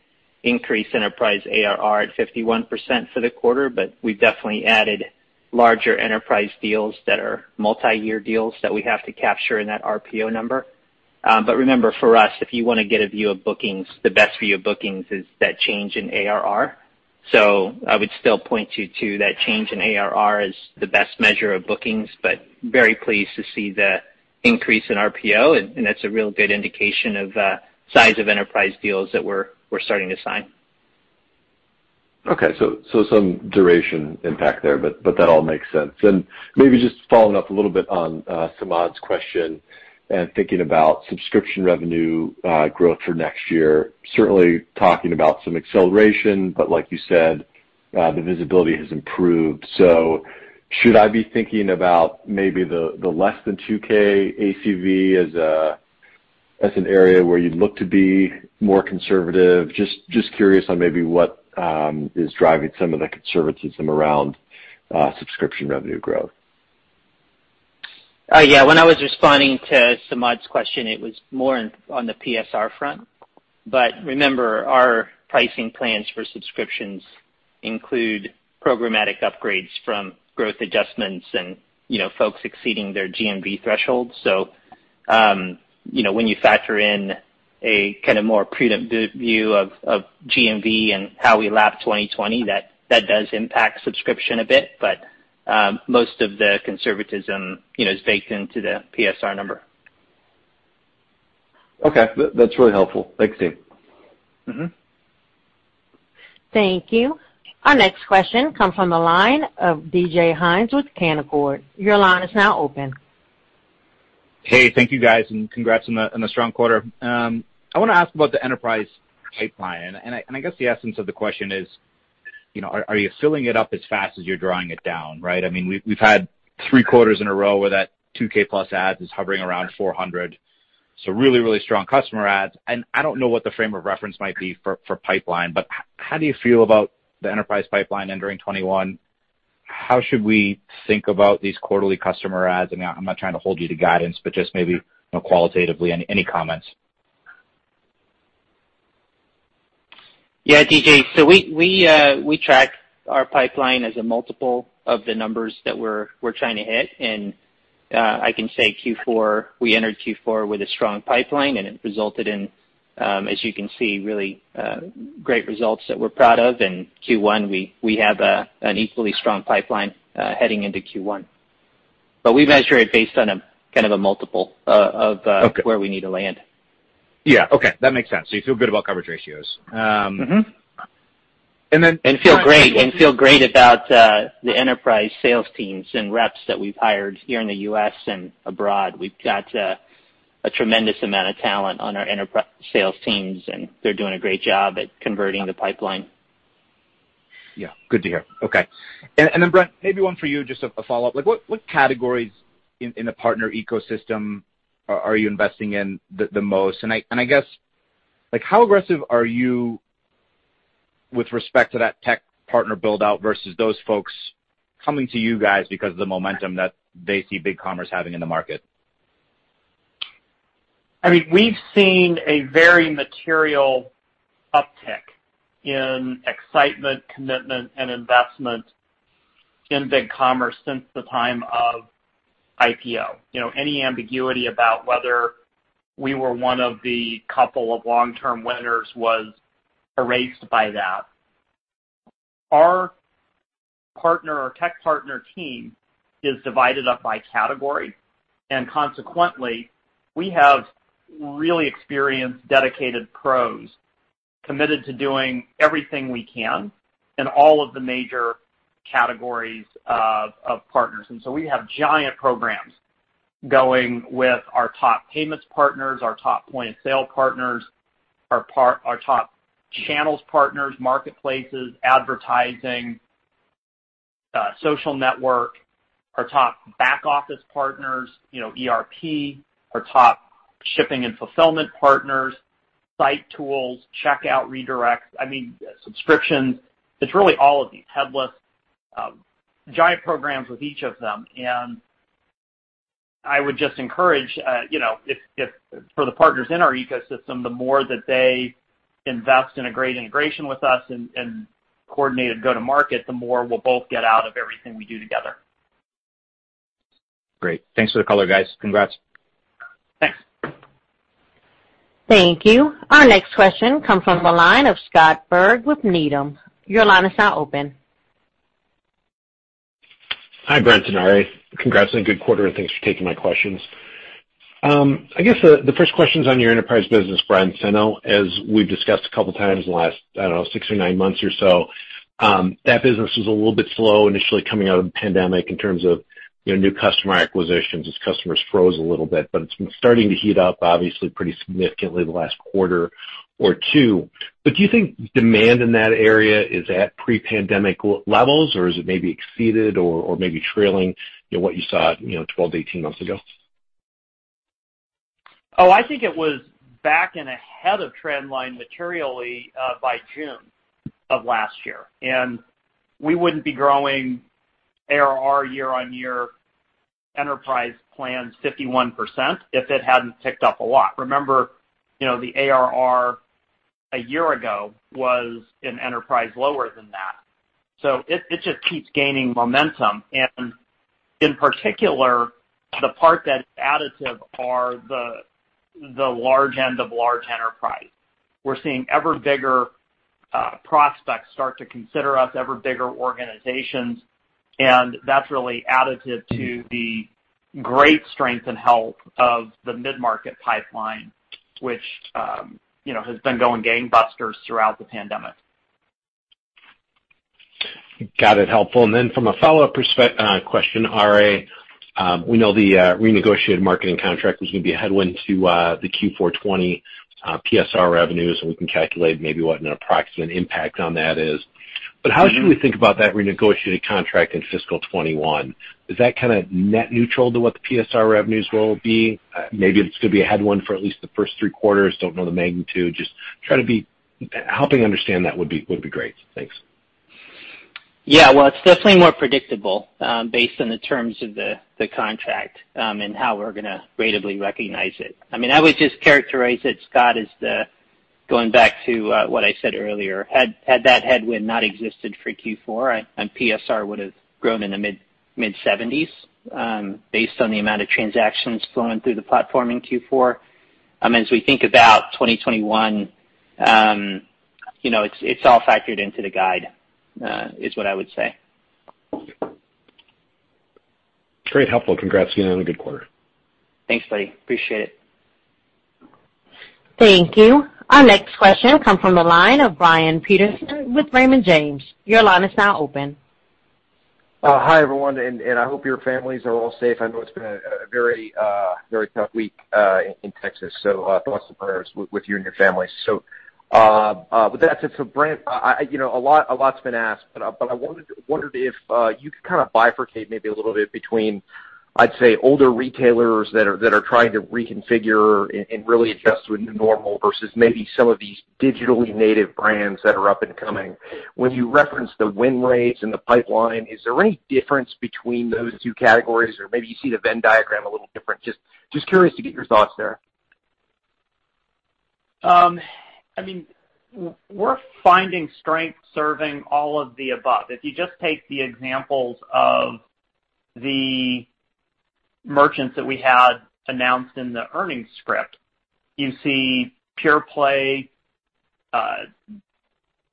increased enterprise ARR at 51% for the quarter, but we've definitely added larger enterprise deals that are multi-year deals that we have to capture in that RPO number. Remember, for us, if you want to get a view of bookings, the best view of bookings is that change in ARR. I would still point you to that change in ARR as the best measure of bookings, but very pleased to see the increase in RPO, and that's a real good indication of size of enterprise deals that we're starting to sign. Okay. Some duration impact there, but that all makes sense. Maybe just following up a little bit on Samad's question and thinking about subscription revenue growth for next year, certainly talking about some acceleration, but like you said, the visibility has improved. Should I be thinking about maybe the less than 2K ACV as an area where you'd look to be more conservative? Just curious on maybe what is driving some of the conservatism around subscription revenue growth. When I was responding to Samad's question, it was more on the PSR front. Remember, our pricing plans for subscriptions include programmatic upgrades from growth adjustments and folks exceeding their GMV threshold. When you factor in a more preemptive view of GMV and how we lap 2020, that does impact subscription a bit. Most of the conservatism is baked into the PSR number. Okay. That's really helpful. Thanks, team. Thank you. Our next question comes from the line of DJ Hynes with Canaccord. Your line is now open. Hey, thank you guys. Congrats on a strong quarter. I want to ask about the enterprise pipeline, and I guess the essence of the question is, are you filling it up as fast as you're drawing it down? Right? We've had three quarters in a row where that 2,000+ adds is hovering around 400. Really, really strong customer adds. I don't know what the frame of reference might be for pipeline, but how do you feel about the enterprise pipeline entering 2021? How should we think about these quarterly customer adds? I'm not trying to hold you to guidance, but just maybe qualitatively, any comments? Yeah, DJ. We track our pipeline as a multiple of the numbers that we're trying to hit. I can say Q4, we entered Q4 with a strong pipeline, and it resulted in, as you can see, really great results that we're proud of. In Q1, we have an equally strong pipeline heading into Q1. We measure it based on a multiple of- Okay -where we need to land. Yeah. Okay. That makes sense. You feel good about coverage ratios. And then- Feel great about the enterprise sales teams and reps that we've hired here in the U.S. and abroad. We've got a tremendous amount of talent on our enterprise sales teams, and they're doing a great job at converting the pipeline. Yeah. Good to hear. Okay. Then Brent, maybe one for you, just a follow-up. What categories in the partner ecosystem are you investing in the most? I guess, how aggressive are you with respect to that tech partner build-out versus those folks coming to you guys because of the momentum that they see BigCommerce having in the market? We've seen a very material uptick in excitement, commitment, and investment in BigCommerce since the time of IPO. Any ambiguity about whether we were one of the couple of long-term winners was erased by that. Our tech partner team is divided up by category, and consequently, we have really experienced dedicated pros committed to doing everything we can in all of the major categories of partners. We have giant programs going with our top payments' partners, our top point-of-sale partners, our top channels partners, marketplaces, advertising, social network, our top back-office partners, ERP, our top shipping and fulfillment partners, site tools, checkout redirects, and subscriptions. It's really all of these. headless. Giant programs with each of them. I would just encourage, for the partners in our ecosystem, the more that they invest in a great integration with us and coordinate a go-to-market, the more we'll both get out of everything we do together. Great. Thanks for the color, guys. Congrats. Thanks. Thank you. Our next question comes from the line of Scott Berg with Needham. Your line is now open. Hi, Brent and Robert. Congrats on a good quarter, and thanks for taking my questions. I guess, the first questions on your enterprise business, Brent. I know, as we've discussed a couple of times in the last, I don't know, six or nine months or so, that business was a little bit slow initially coming out of the pandemic in terms of new customer acquisitions, as customers froze a little bit. It's been starting to heat up, obviously, pretty significantly in the last quarter or two. Do you think demand in that area is at pre-pandemic levels, or is it may be exceeded or maybe trailing what you saw 12-18 months ago? Oh, I think it was back and ahead of trend line materially by June of last year. We wouldn't be growing ARR year-on-year enterprise plans 51% if it hadn't ticked up a lot. Remember, the ARR a year ago was in enterprise lower than that. It just keeps gaining momentum. In particular, the part that's additive are the large end of large enterprise. We're seeing ever bigger prospects start to consider us, ever bigger organizations, and that's really additive to the great strength and health of the mid-market pipeline, which has been going gangbusters throughout the pandemic. Got it. Helpful. From a follow-up question, Robert. We know the renegotiated marketing contract was going to be a headwind to the Q4 2020 PSR revenues, and we can calculate maybe what an approximate impact on that is. How should we think about that renegotiated contract in fiscal 2021? Is that net neutral to what the PSR revenues will be? Maybe it's going to be a headwind for at least the first three quarters. Don't know the magnitude. Just helping understand that would be great. Thanks. Yeah. Well, it's definitely more predictable based on the terms of the contract, and how we're going to ratably recognize it. I would just characterize it, Scott, as going back to what I said earlier, had that headwind not existed for Q4, PSR would've grown in the mid-70s, based on the amount of transactions flowing through the platform in Q4. As we think about 2021, it's all factored into the guide, is what I would say. Great, helpful. Congrats again on a good quarter. Thanks, buddy. Appreciate it. Thank you. Our next question comes from the line of Brian Peterson with Raymond James. Your line is now open. Hi, everyone, and I hope your families are all safe. I know it's been a very tough week in Texas, so thoughts and prayers with you and your families. With that said, Brent, a lot's been asked, but I wondered if you could bifurcate maybe a little bit between, I'd say, older retailers that are trying to reconfigure and really adjust to a new normal versus maybe some of these digitally native brands that are up and coming. When you reference the win rates and the pipeline, is there any difference between those two categories? Or maybe you see the Venn diagram a little different. Just curious to get your thoughts there. We're finding strength serving all of the above. If you just take the examples of the merchants that we had announced in the earnings script, you see pure play,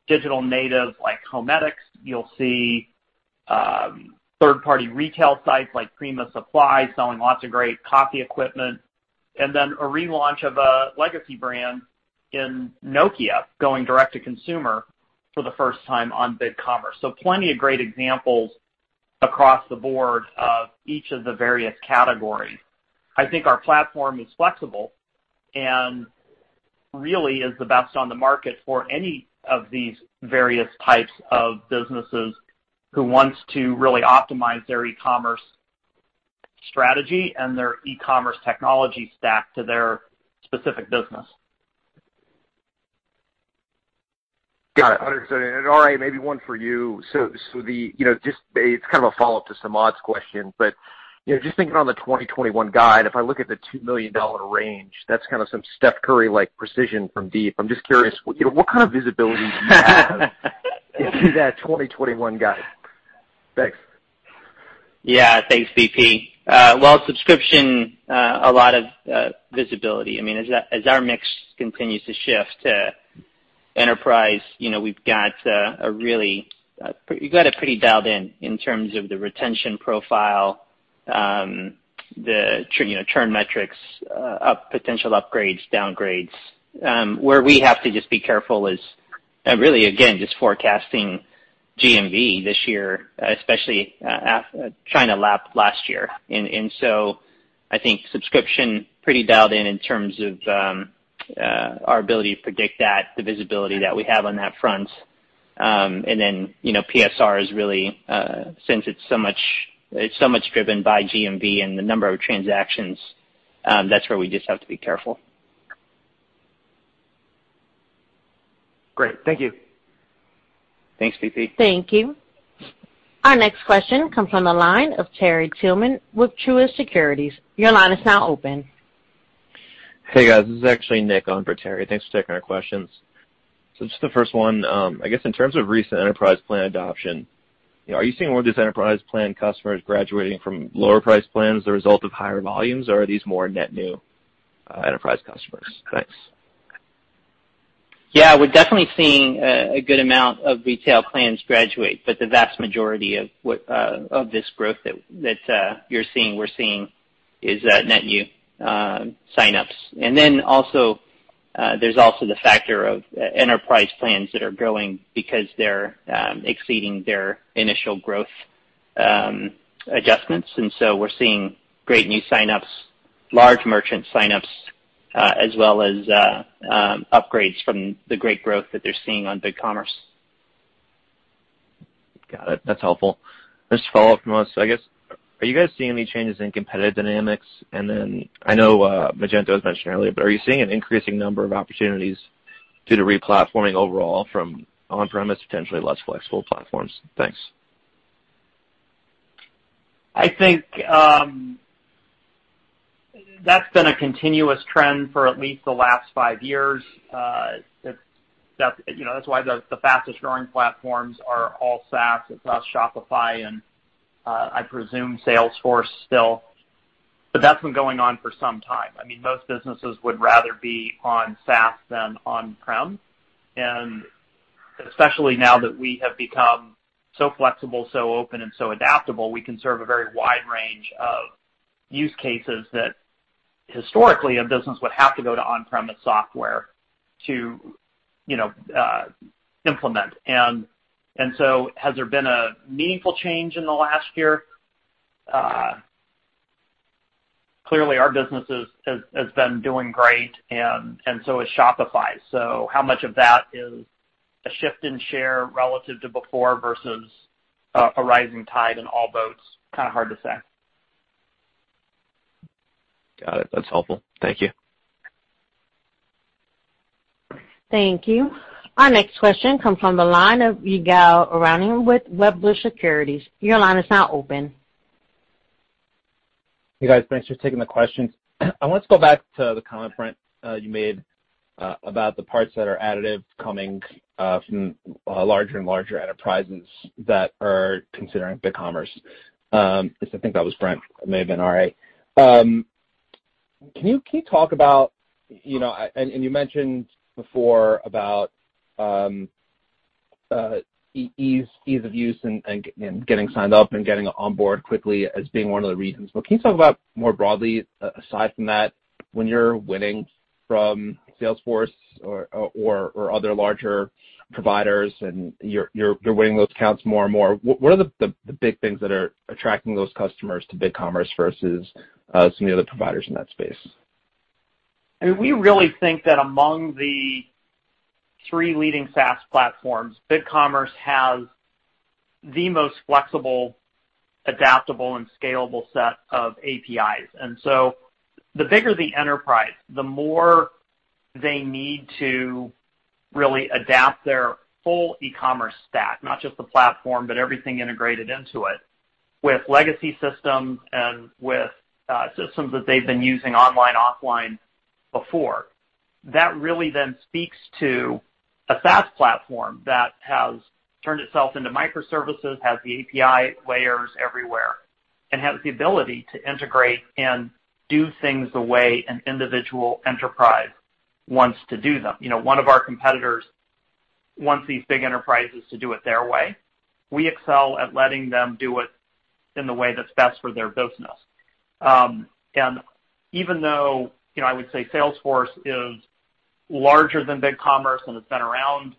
digital native like HoMedics. You'll see third party retail sites like Prima Supply selling lots of great coffee equipment, and then a relaunch of a legacy brand in Nokia, going direct to consumer for the first time on BigCommerce. Plenty of great examples across the board of each of the various categories. I think our platform is flexible and really is the best on the market for any of these various types of businesses who wants to really optimize their e-commerce strategy and their e-commerce technology stack to their specific business. Got it, 100%. Robert, maybe one for you. It's kind of a follow-up to Samad's question, but just thinking on the $2 million range, that's kind of some Stephen Curry-like precision from deep. I'm just curious, what kind of visibility do you have into that 2021 guide? Thanks. Yeah. Thanks, BP. Well, subscription, a lot of visibility. As our mix continues to shift to enterprise, we've got it pretty dialed in terms of the retention profile, the churn metrics, potential upgrades, downgrades. Where we have to just be careful is really, again, just forecasting GMV this year, especially trying to lap last year. I think subscription pretty dialed in terms of our ability to predict that, the visibility that we have on that front. PSR is really, since it's so much driven by GMV and the number of transactions, that's where we just have to be careful. Great. Thank you. Thanks, BP. Thank you. Our next question comes from the line of Terry Tillman with Truist Securities. Hey, guys. This is actually Nick on for Terry. Thanks for taking our questions. Just the first one, I guess in terms of recent enterprise plan adoption, are you seeing more of these enterprise plan customers graduating from lower price plans as a result of higher volumes, or are these more net new enterprise customers? Thanks. Yeah, we're definitely seeing a good amount of retail plans graduate, but the vast majority of this growth we're seeing is net new signups. There's also the factor of enterprise plans that are growing because they're exceeding their initial growth adjustments. We're seeing great new signups, large merchant signups, as well as upgrades from the great growth that they're seeing on BigCommerce. Got it. That's helpful. Just a follow-up from us. I guess, are you guys seeing any changes in competitive dynamics? I know Magento was mentioned earlier, but are you seeing an increasing number of opportunities due to re-platforming overall from on premises, potentially less flexible platforms? Thanks. I think that's been a continuous trend for at least the last five years. That's why the fastest growing platforms are all SaaS. It's us, Shopify, and I presume Salesforce still. That's been going on for some time. Most businesses would rather be on SaaS than on-prem, and especially now that we have become so flexible, so open, and so adaptable, we can serve a very wide range of use cases that historically a business would have to go to on-premises software to implement. Has there been a meaningful change in the last year? Clearly, our business has been doing great, and so is Shopify. How much of that is a shift in share relative to before versus a rising tide in all boats? Kind of hard to say. Got it. That's helpful. Thank you. Thank you. Our next question comes from the line of Ygal Arounian with Wedbush Securities. Your line is now open. Hey, guys, thanks for taking the questions. I want to go back to the comment, Brent, you made about the parts that are additive coming from larger and larger enterprises that are considering BigCommerce. At least I think that was Brent. It may have been Robert. Can you talk about, and you mentioned before about ease of use and getting signed up and getting on board quickly as being one of the reasons. Can you talk about more broadly, aside from that, when you're winning from Salesforce or other larger providers, and you're winning those accounts more and more, what are the big things that are attracting those customers to BigCommerce versus some of the other providers in that space? We really think that among the three leading SaaS platforms, BigCommerce has the most flexible, adaptable, and scalable set of APIs. The bigger the enterprise, the more they need to really adapt their full e-commerce stack, not just the platform, but everything integrated into it, with legacy systems and with systems that they've been using online, offline before. That really then speaks to a SaaS platform that has turned itself into microservices, has the API layers everywhere, and has the ability to integrate and do things the way an individual enterprise wants to do them. One of our competitors wants these big enterprises to do it their way. We excel at letting them do it in the way that's best for their business. Even though, I would say Salesforce is larger than BigCommerce, and it's been around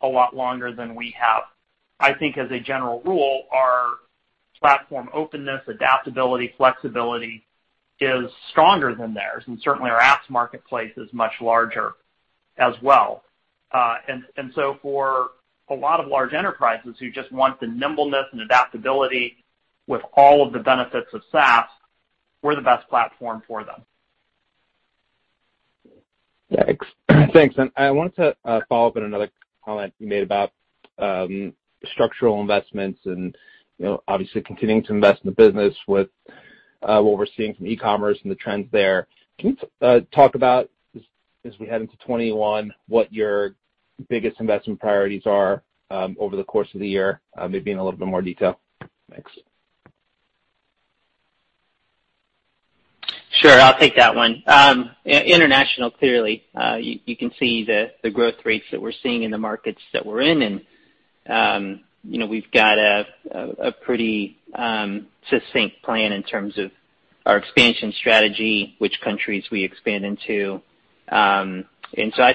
a lot longer than we have, I think as a general rule, our platform openness, adaptability, flexibility is stronger than theirs, and certainly our apps marketplace is much larger as well. For a lot of large enterprises who just want the nimbleness and adaptability with all of the benefits of SaaS, we're the best platform for them. Thanks. I wanted to follow up on another comment you made about structural investments and obviously continuing to invest in the business with what we're seeing from e-commerce and the trends there. Can you talk about, as we head into 2021, what your biggest investment priorities are over the course of the year, maybe in a little bit more detail? Thanks. Sure. I'll take that one. International, clearly. You can see the growth rates that we're seeing in the markets that we're in. We've got a pretty succinct plan in terms of our expansion strategy, which countries we expand into. I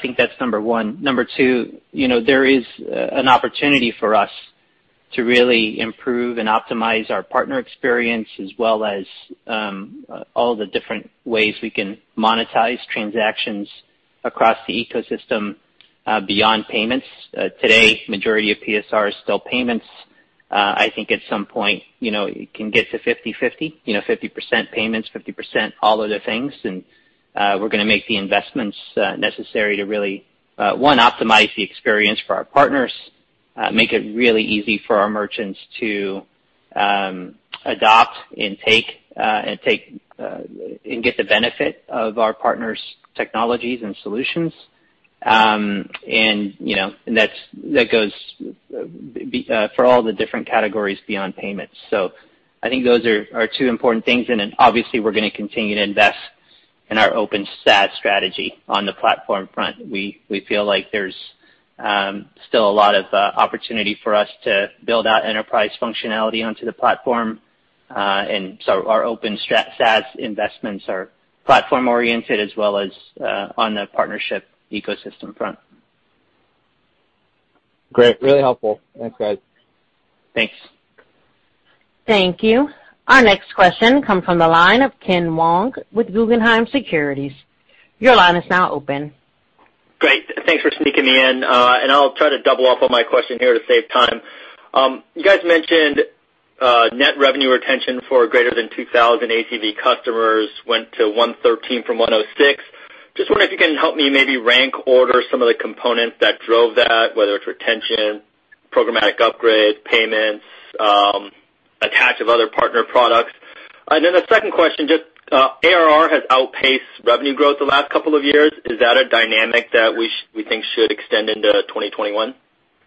think that's number one. Number two, there is an opportunity for us to really improve and optimize our partner experience as well as all the different ways we can monetize transactions across the ecosystem, beyond payments. Today, majority of PSR is still payments. I think at some point, it can get to 50/50% payments, 50% all other things. We're going to make the investments necessary to really, one, optimize the experience for our partners, make it really easy for our merchants to adopt and take, and get the benefit of our partners' technologies and solutions. That goes for all the different categories beyond payments. I think those are our two important things, and then obviously we're going to continue to invest in our Open SaaS strategy on the platform front. We feel like there's still a lot of opportunity for us to build out enterprise functionality onto the platform. Our Open SaaS investments are platform oriented as well as on the partnership ecosystem front. Great. Really helpful. Thanks, guys. Thanks. Thank you. Our next question comes from the line of Ken Wong with Guggenheim Securities. Your line is now open. Great. Thanks for sneaking me in. I'll try to double off on my question here to save time. You guys mentioned net revenue retention for greater than 2,000 ACV customers went to 113 from 106. Just wondering if you can help me maybe rank order some of the components that drove that, whether it's retention, programmatic upgrade, payments, attach of other partner products. The second question, just ARR has outpaced revenue growth the last couple of years. Is that a dynamic that we think should extend into 2021?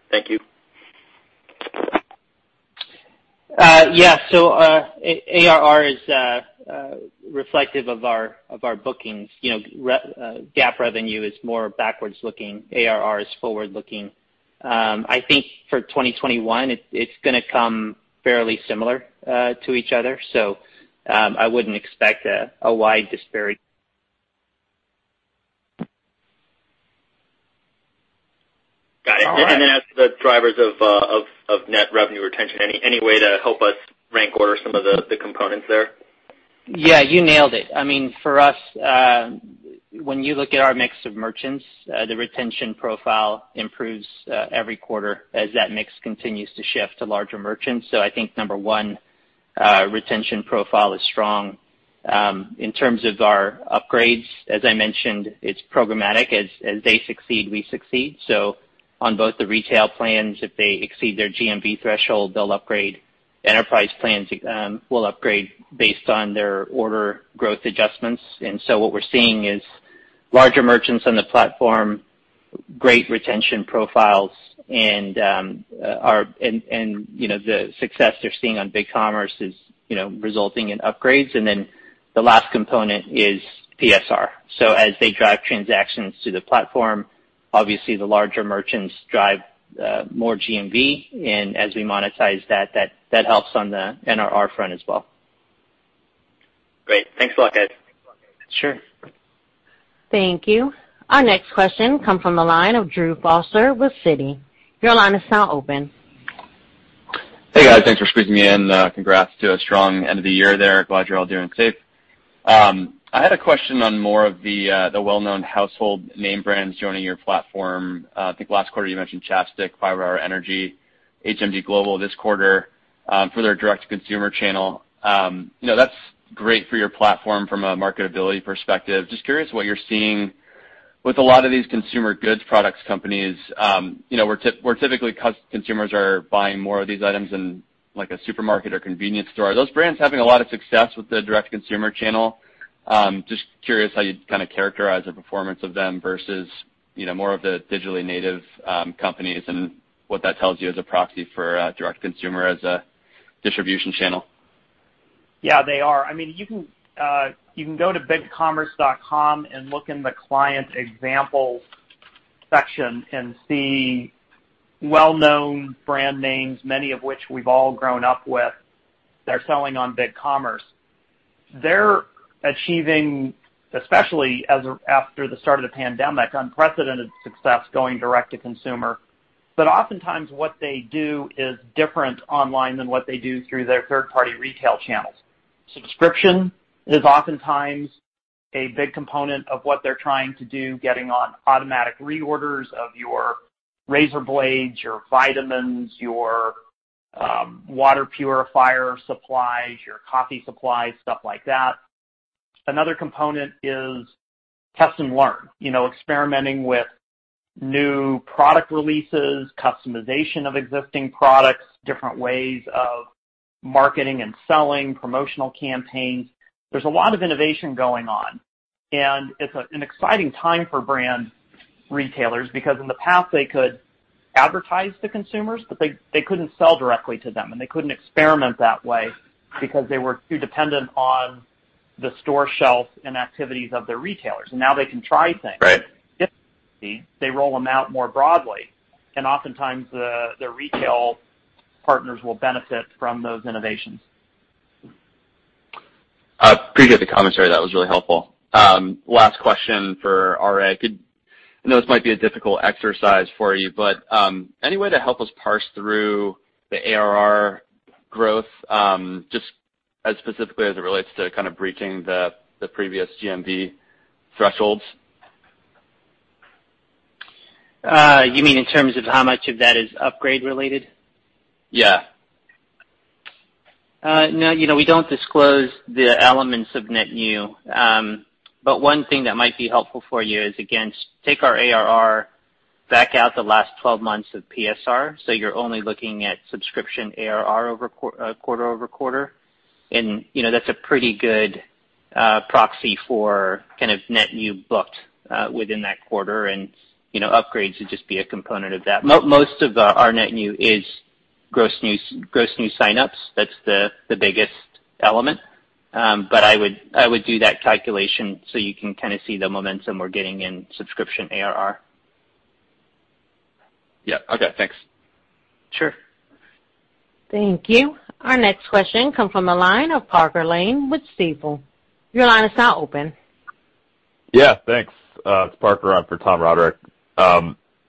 Thank you. Yeah. ARR is reflective of our bookings. GAAP revenue is more backwards looking. ARR is forward-looking. I think for 2021, it's going to come fairly similar to each other, so I wouldn't expect a wide disparity. Got it. All right. As the drivers of net revenue retention, any way to help us rank order some of the components there? Yeah, you nailed it. For us, when you look at our mix of merchants, the retention profile improves every quarter as that mix continues to shift to larger merchants. I think number one, retention profile is strong. In terms of our upgrades, as I mentioned, it's programmatic. As they succeed, we succeed. On both the retail plans, if they exceed their GMV threshold, they'll upgrade. Enterprise plans will upgrade based on their order growth adjustments. What we're seeing is larger merchants on the platform, great retention profiles, and the success they're seeing on BigCommerce is resulting in upgrades. The last component is PSR. As they drive transactions through the platform, obviously the larger merchants drive more GMV, and as we monetize that helps on the NRR front as well. Great. Thanks a lot, guys. Sure. Thank you. Our next question comes from the line of Drew Foster with Citi. Your line is now open. Hey, guys. Thanks for squeezing me in. Congrats to a strong end of the year there. Glad you're all doing safe. I had a question on more of the well-known household name brands joining your platform. I think last quarter you mentioned ChapStick, 5-hour ENERGY, HMD Global this quarter for their direct-to-consumer channel. That's great for your platform from a marketability perspective. Just curious what you're seeing with a lot of these consumer goods products companies, where typically consumers are buying more of these items in, like, a supermarket or convenience store. Are those brands having a lot of success with the direct-to-consumer channel? Just curious how you'd kind of characterize the performance of them versus more of the digitally native companies and what that tells you as a proxy for direct-to-consumer as a distribution channel. Yeah, they are. You can go to bigcommerce.com and look in the client example section and see well-known brand names, many of which we've all grown up with, that are selling on BigCommerce. They're achieving, especially after the start of the pandemic, unprecedented success going direct to consumer. Oftentimes what they do is different online than what they do through their third-party retail channels. Subscription is oftentimes a big component of what they're trying to do, getting on automatic reorders of your razor blades, your vitamins, your water purifier supplies, your coffee supplies, stuff like that. Another component is test and learn, experimenting with new product releases, customization of existing products, different ways of marketing and selling, promotional campaigns. There's a lot of innovation going on, it's an exciting time for brand retailers because in the past, they could advertise to consumers, but they couldn't sell directly to them, they couldn't experiment that way because they were too dependent on the store shelf and activities of their retailers. Now they can try things. Right. If they see, they roll them out more broadly, oftentimes the retail partners will benefit from those innovations. Appreciate the commentary. That was really helpful. Last question for Robert. I know this might be a difficult exercise for you, but any way to help us parse through the ARR growth, just as specifically as it relates to kind of breaching the previous GMV thresholds? You mean in terms of how much of that is upgrade related? Yeah. We don't disclose the elements of net new. One thing that might be helpful for you is, again, take our ARR back out the last 12 months of PSR, you're only looking at subscription ARR quarter-over-quarter. That's a pretty good proxy for kind of net new booked within that quarter, upgrades would just be a component of that. Most of our net new is gross new sign-ups. That's the biggest element. I would do that calculation; you can kind of see the momentum we're getting in subscription ARR. Yeah. Okay, thanks. Sure. Thank you. Our next question comes from the line of Parker Lane with Stifel. Your line is now open. Yeah, thanks. It's Parker on for Tom Roderick.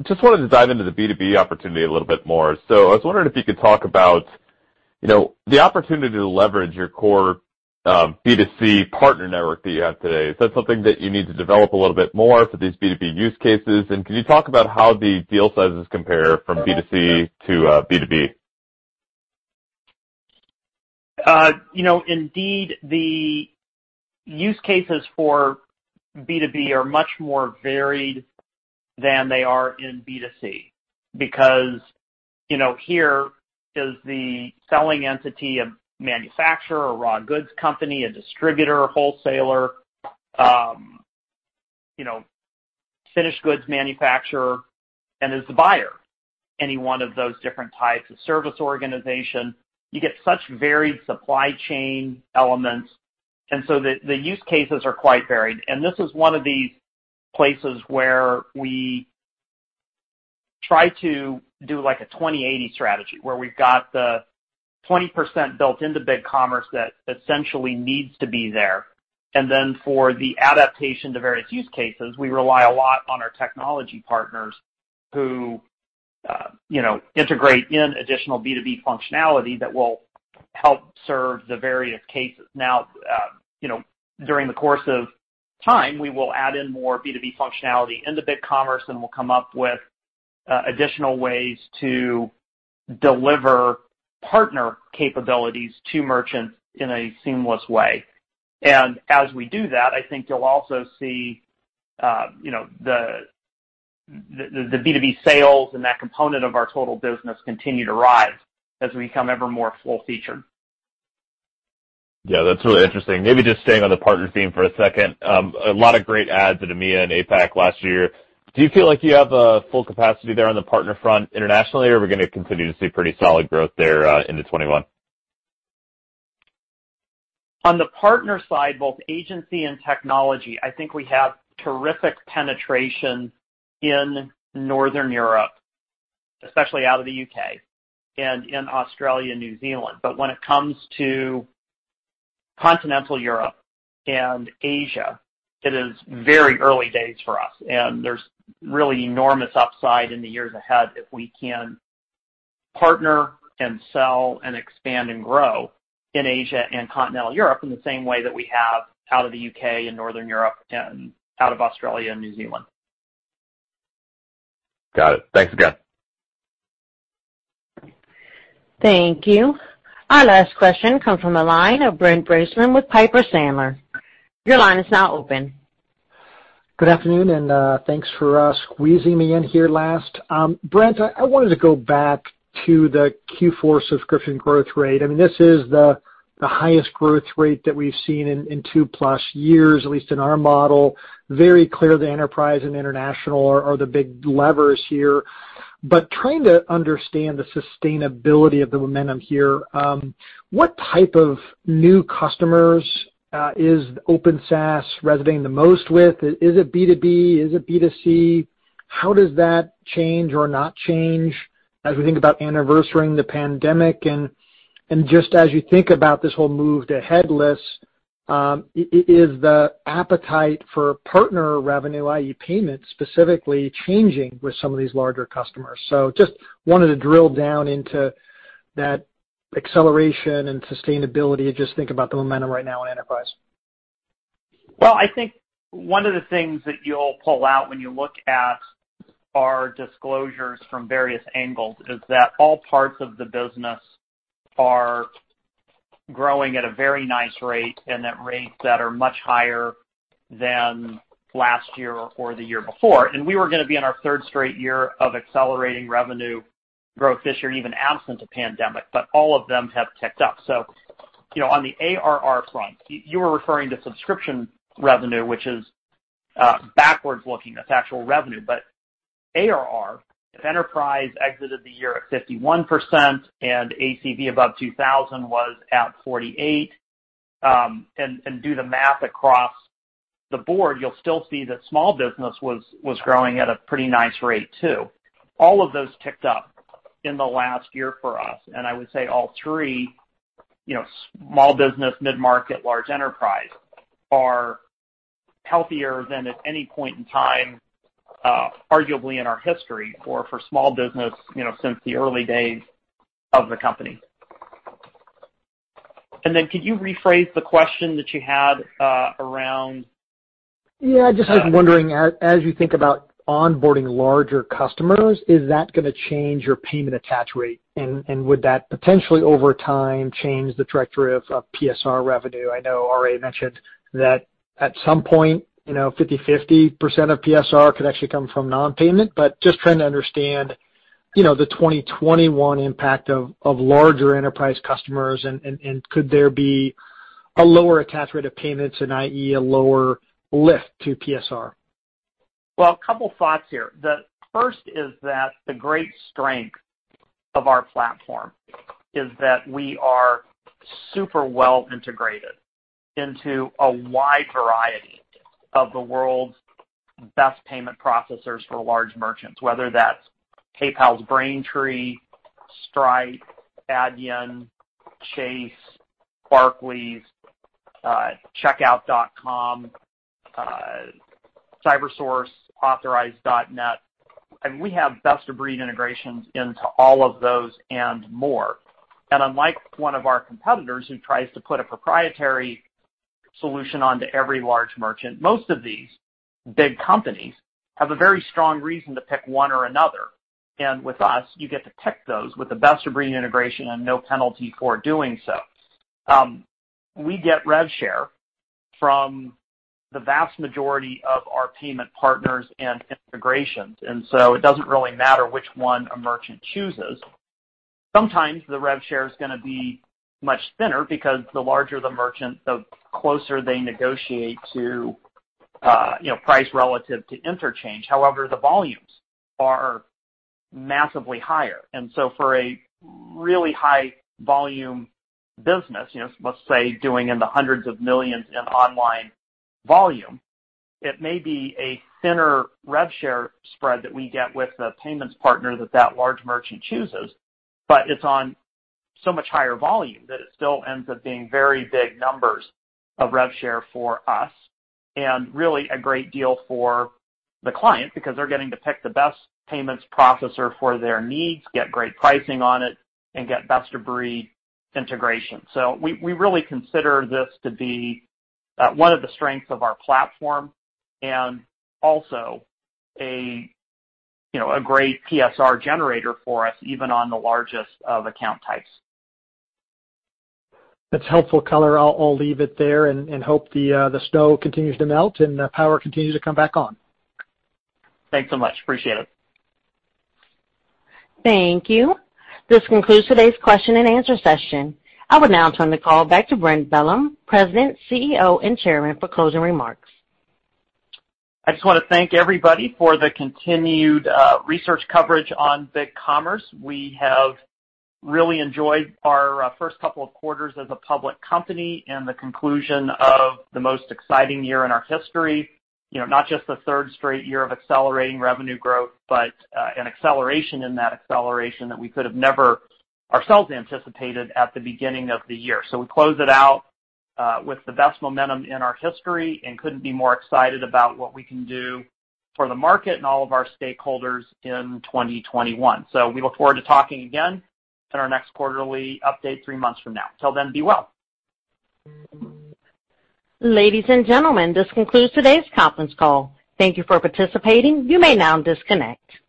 Just wanted to dive into the B2B opportunity a little bit more. I was wondering if you could talk about the opportunity to leverage your core B2C partner network that you have today. Is that something that you need to develop a little bit more for these B2B use cases? Can you talk about how the deal sizes compare from B2C to B2B? Indeed, the use cases for B2B are much more varied than they are in B2C, because here is the selling entity, a manufacturer, a raw goods company, a distributor, a wholesaler, finished goods manufacturer, and is the buyer any one of those different types of service organization. The use cases are quite varied. This is one of these places where we try to do, like, a 20/80 strategy, where we've got the 20% built into BigCommerce that essentially needs to be there. For the adaptation to various use cases, we rely a lot on our technology partners, who integrate in additional B2B functionality that will help serve the various cases. During the course of time, we will add in more B2B functionality into BigCommerce, and we'll come up with additional ways to deliver partner capabilities to merchants in a seamless way. As we do that, I think you'll also see the B2B sales and that component of our total business continue to rise as we become ever more full featured. Yeah, that's really interesting. Maybe just staying on the partner theme for a second. A lot of great adds in EMEA and APAC last year. Do you feel like you have a full capacity there on the partner front internationally, or are we going to continue to see pretty solid growth there into 2021? On the partner side, both agency and technology, I think we have terrific penetration in Northern Europe, especially out of the U.K., and in Australia and New Zealand. When it comes to continental Europe and Asia, it is very early days for us, and there's really enormous upside in the years ahead if we can partner and sell and expand and grow in Asia and continental Europe in the same way that we have out of the U.K. and Northern Europe and out of Australia and New Zealand. Got it. Thanks again. Thank you. Our last question comes from the line of Brent Bracelin with Piper Sandler. Good afternoon, and thanks for squeezing me in here last. Brent, I wanted to go back to the Q4 subscription growth rate. This is the highest growth rate that we've seen in two-plus years, at least in our model. Very clear the enterprise and international are the big levers here. Trying to understand the sustainability of the momentum here, what type of new customers is Open SaaS resonating the most with? Is it B2B? Is it B2C? How does that change or not change as we think about anniversarying the pandemic? Just as you think about this whole move to headless, is the appetite for partner revenue, i.e. payments, specifically changing with some of these larger customers? Just wanted to drill down into that acceleration and sustainability as you just think about the momentum right now in enterprise. I think one of the things that you'll pull out when you look at our disclosures from various angles is that all parts of the business are growing at a very nice rate and at rates that are much higher than last year or the year before. We were going to be in our third straight year of accelerating revenue growth this year, even absent a pandemic, but all of them have ticked up. On the ARR front, you were referring to subscription revenue, which is backwards-looking. That's actual revenue. ARR, if enterprise exited the year at 51% and ACV above 2,000 was at 48%, and do the math across the board, you'll still see that small business was growing at a pretty nice rate, too. All of those ticked up in the last year for us, and I would say all three, small business, mid-market, large enterprise, are healthier than at any point in time, arguably in our history, or for small business since the early days of the company. Could you rephrase the question that you had around? Yeah, just was wondering, as you think about onboarding larger customers, is that going to change your payment attach rate? Would that potentially, over time, change the trajectory of PSR revenue? I know Robert mentioned that at some point, 50/50% of PSR could actually come from non-payment, but just trying to understand the 2021 impact of larger enterprise customers, and could there be a lower attach rate of payments and i.e., a lower lift to PSR? Well, a couple thoughts here. The first is that the great strength of our platform is that we are super well integrated into a wide variety of the world's best payment processors for large merchants, whether that's PayPal's Braintree, Stripe, Adyen, Chase, Barclays, Checkout.com, Cybersource, Authorize.Net. We have best-of-breed integrations into all of those and more. Unlike one of our competitors who tries to put a proprietary solution onto every large merchant, most of these big companies have a very strong reason to pick one or another. With us, you get to pick those with the best-of-breed integration and no penalty for doing so. We get rev share from the vast majority of our payment partners and integrations, so it doesn't really matter which one a merchant chooses. Sometimes the rev share is going to be much thinner because the larger the merchant, the closer they negotiate to price relative to interchange. The volumes are massively higher, and so for a really high-volume business, let's say doing in the hundreds of millions in online volume, it may be a thinner rev share spread that we get with the payments partner that that large merchant chooses, but it's on so much higher volume that it still ends up being very big numbers of rev share for us and really a great deal for the client because they're getting to pick the best payments processor for their needs, get great pricing on it, and get best-of-breed integration. We really consider this to be one of the strengths of our platform and also a great PSR generator for us, even on the largest of account types. That's helpful color. I'll leave it there and hope the snow continues to melt and power continues to come back on. Thanks so much. Appreciate it. Thank you. This concludes today's question and answer session. I would now turn the call back to Brent Bellm, President, CEO, and Chairman, for closing remarks. I just want to thank everybody for the continued research coverage on BigCommerce. We have really enjoyed our first couple of quarters as a public company and the conclusion of the most exciting year in our history. Not just the third straight year of accelerating revenue growth, but an acceleration in that acceleration that we could have never ourselves anticipated at the beginning of the year. We close it out with the best momentum in our history and couldn't be more excited about what we can do for the market and all of our stakeholders in 2021. We look forward to talking again in our next quarterly update three months from now. Till then, be well. Ladies and gentlemen, this concludes today's conference call. Thank you for participating. You may now disconnect.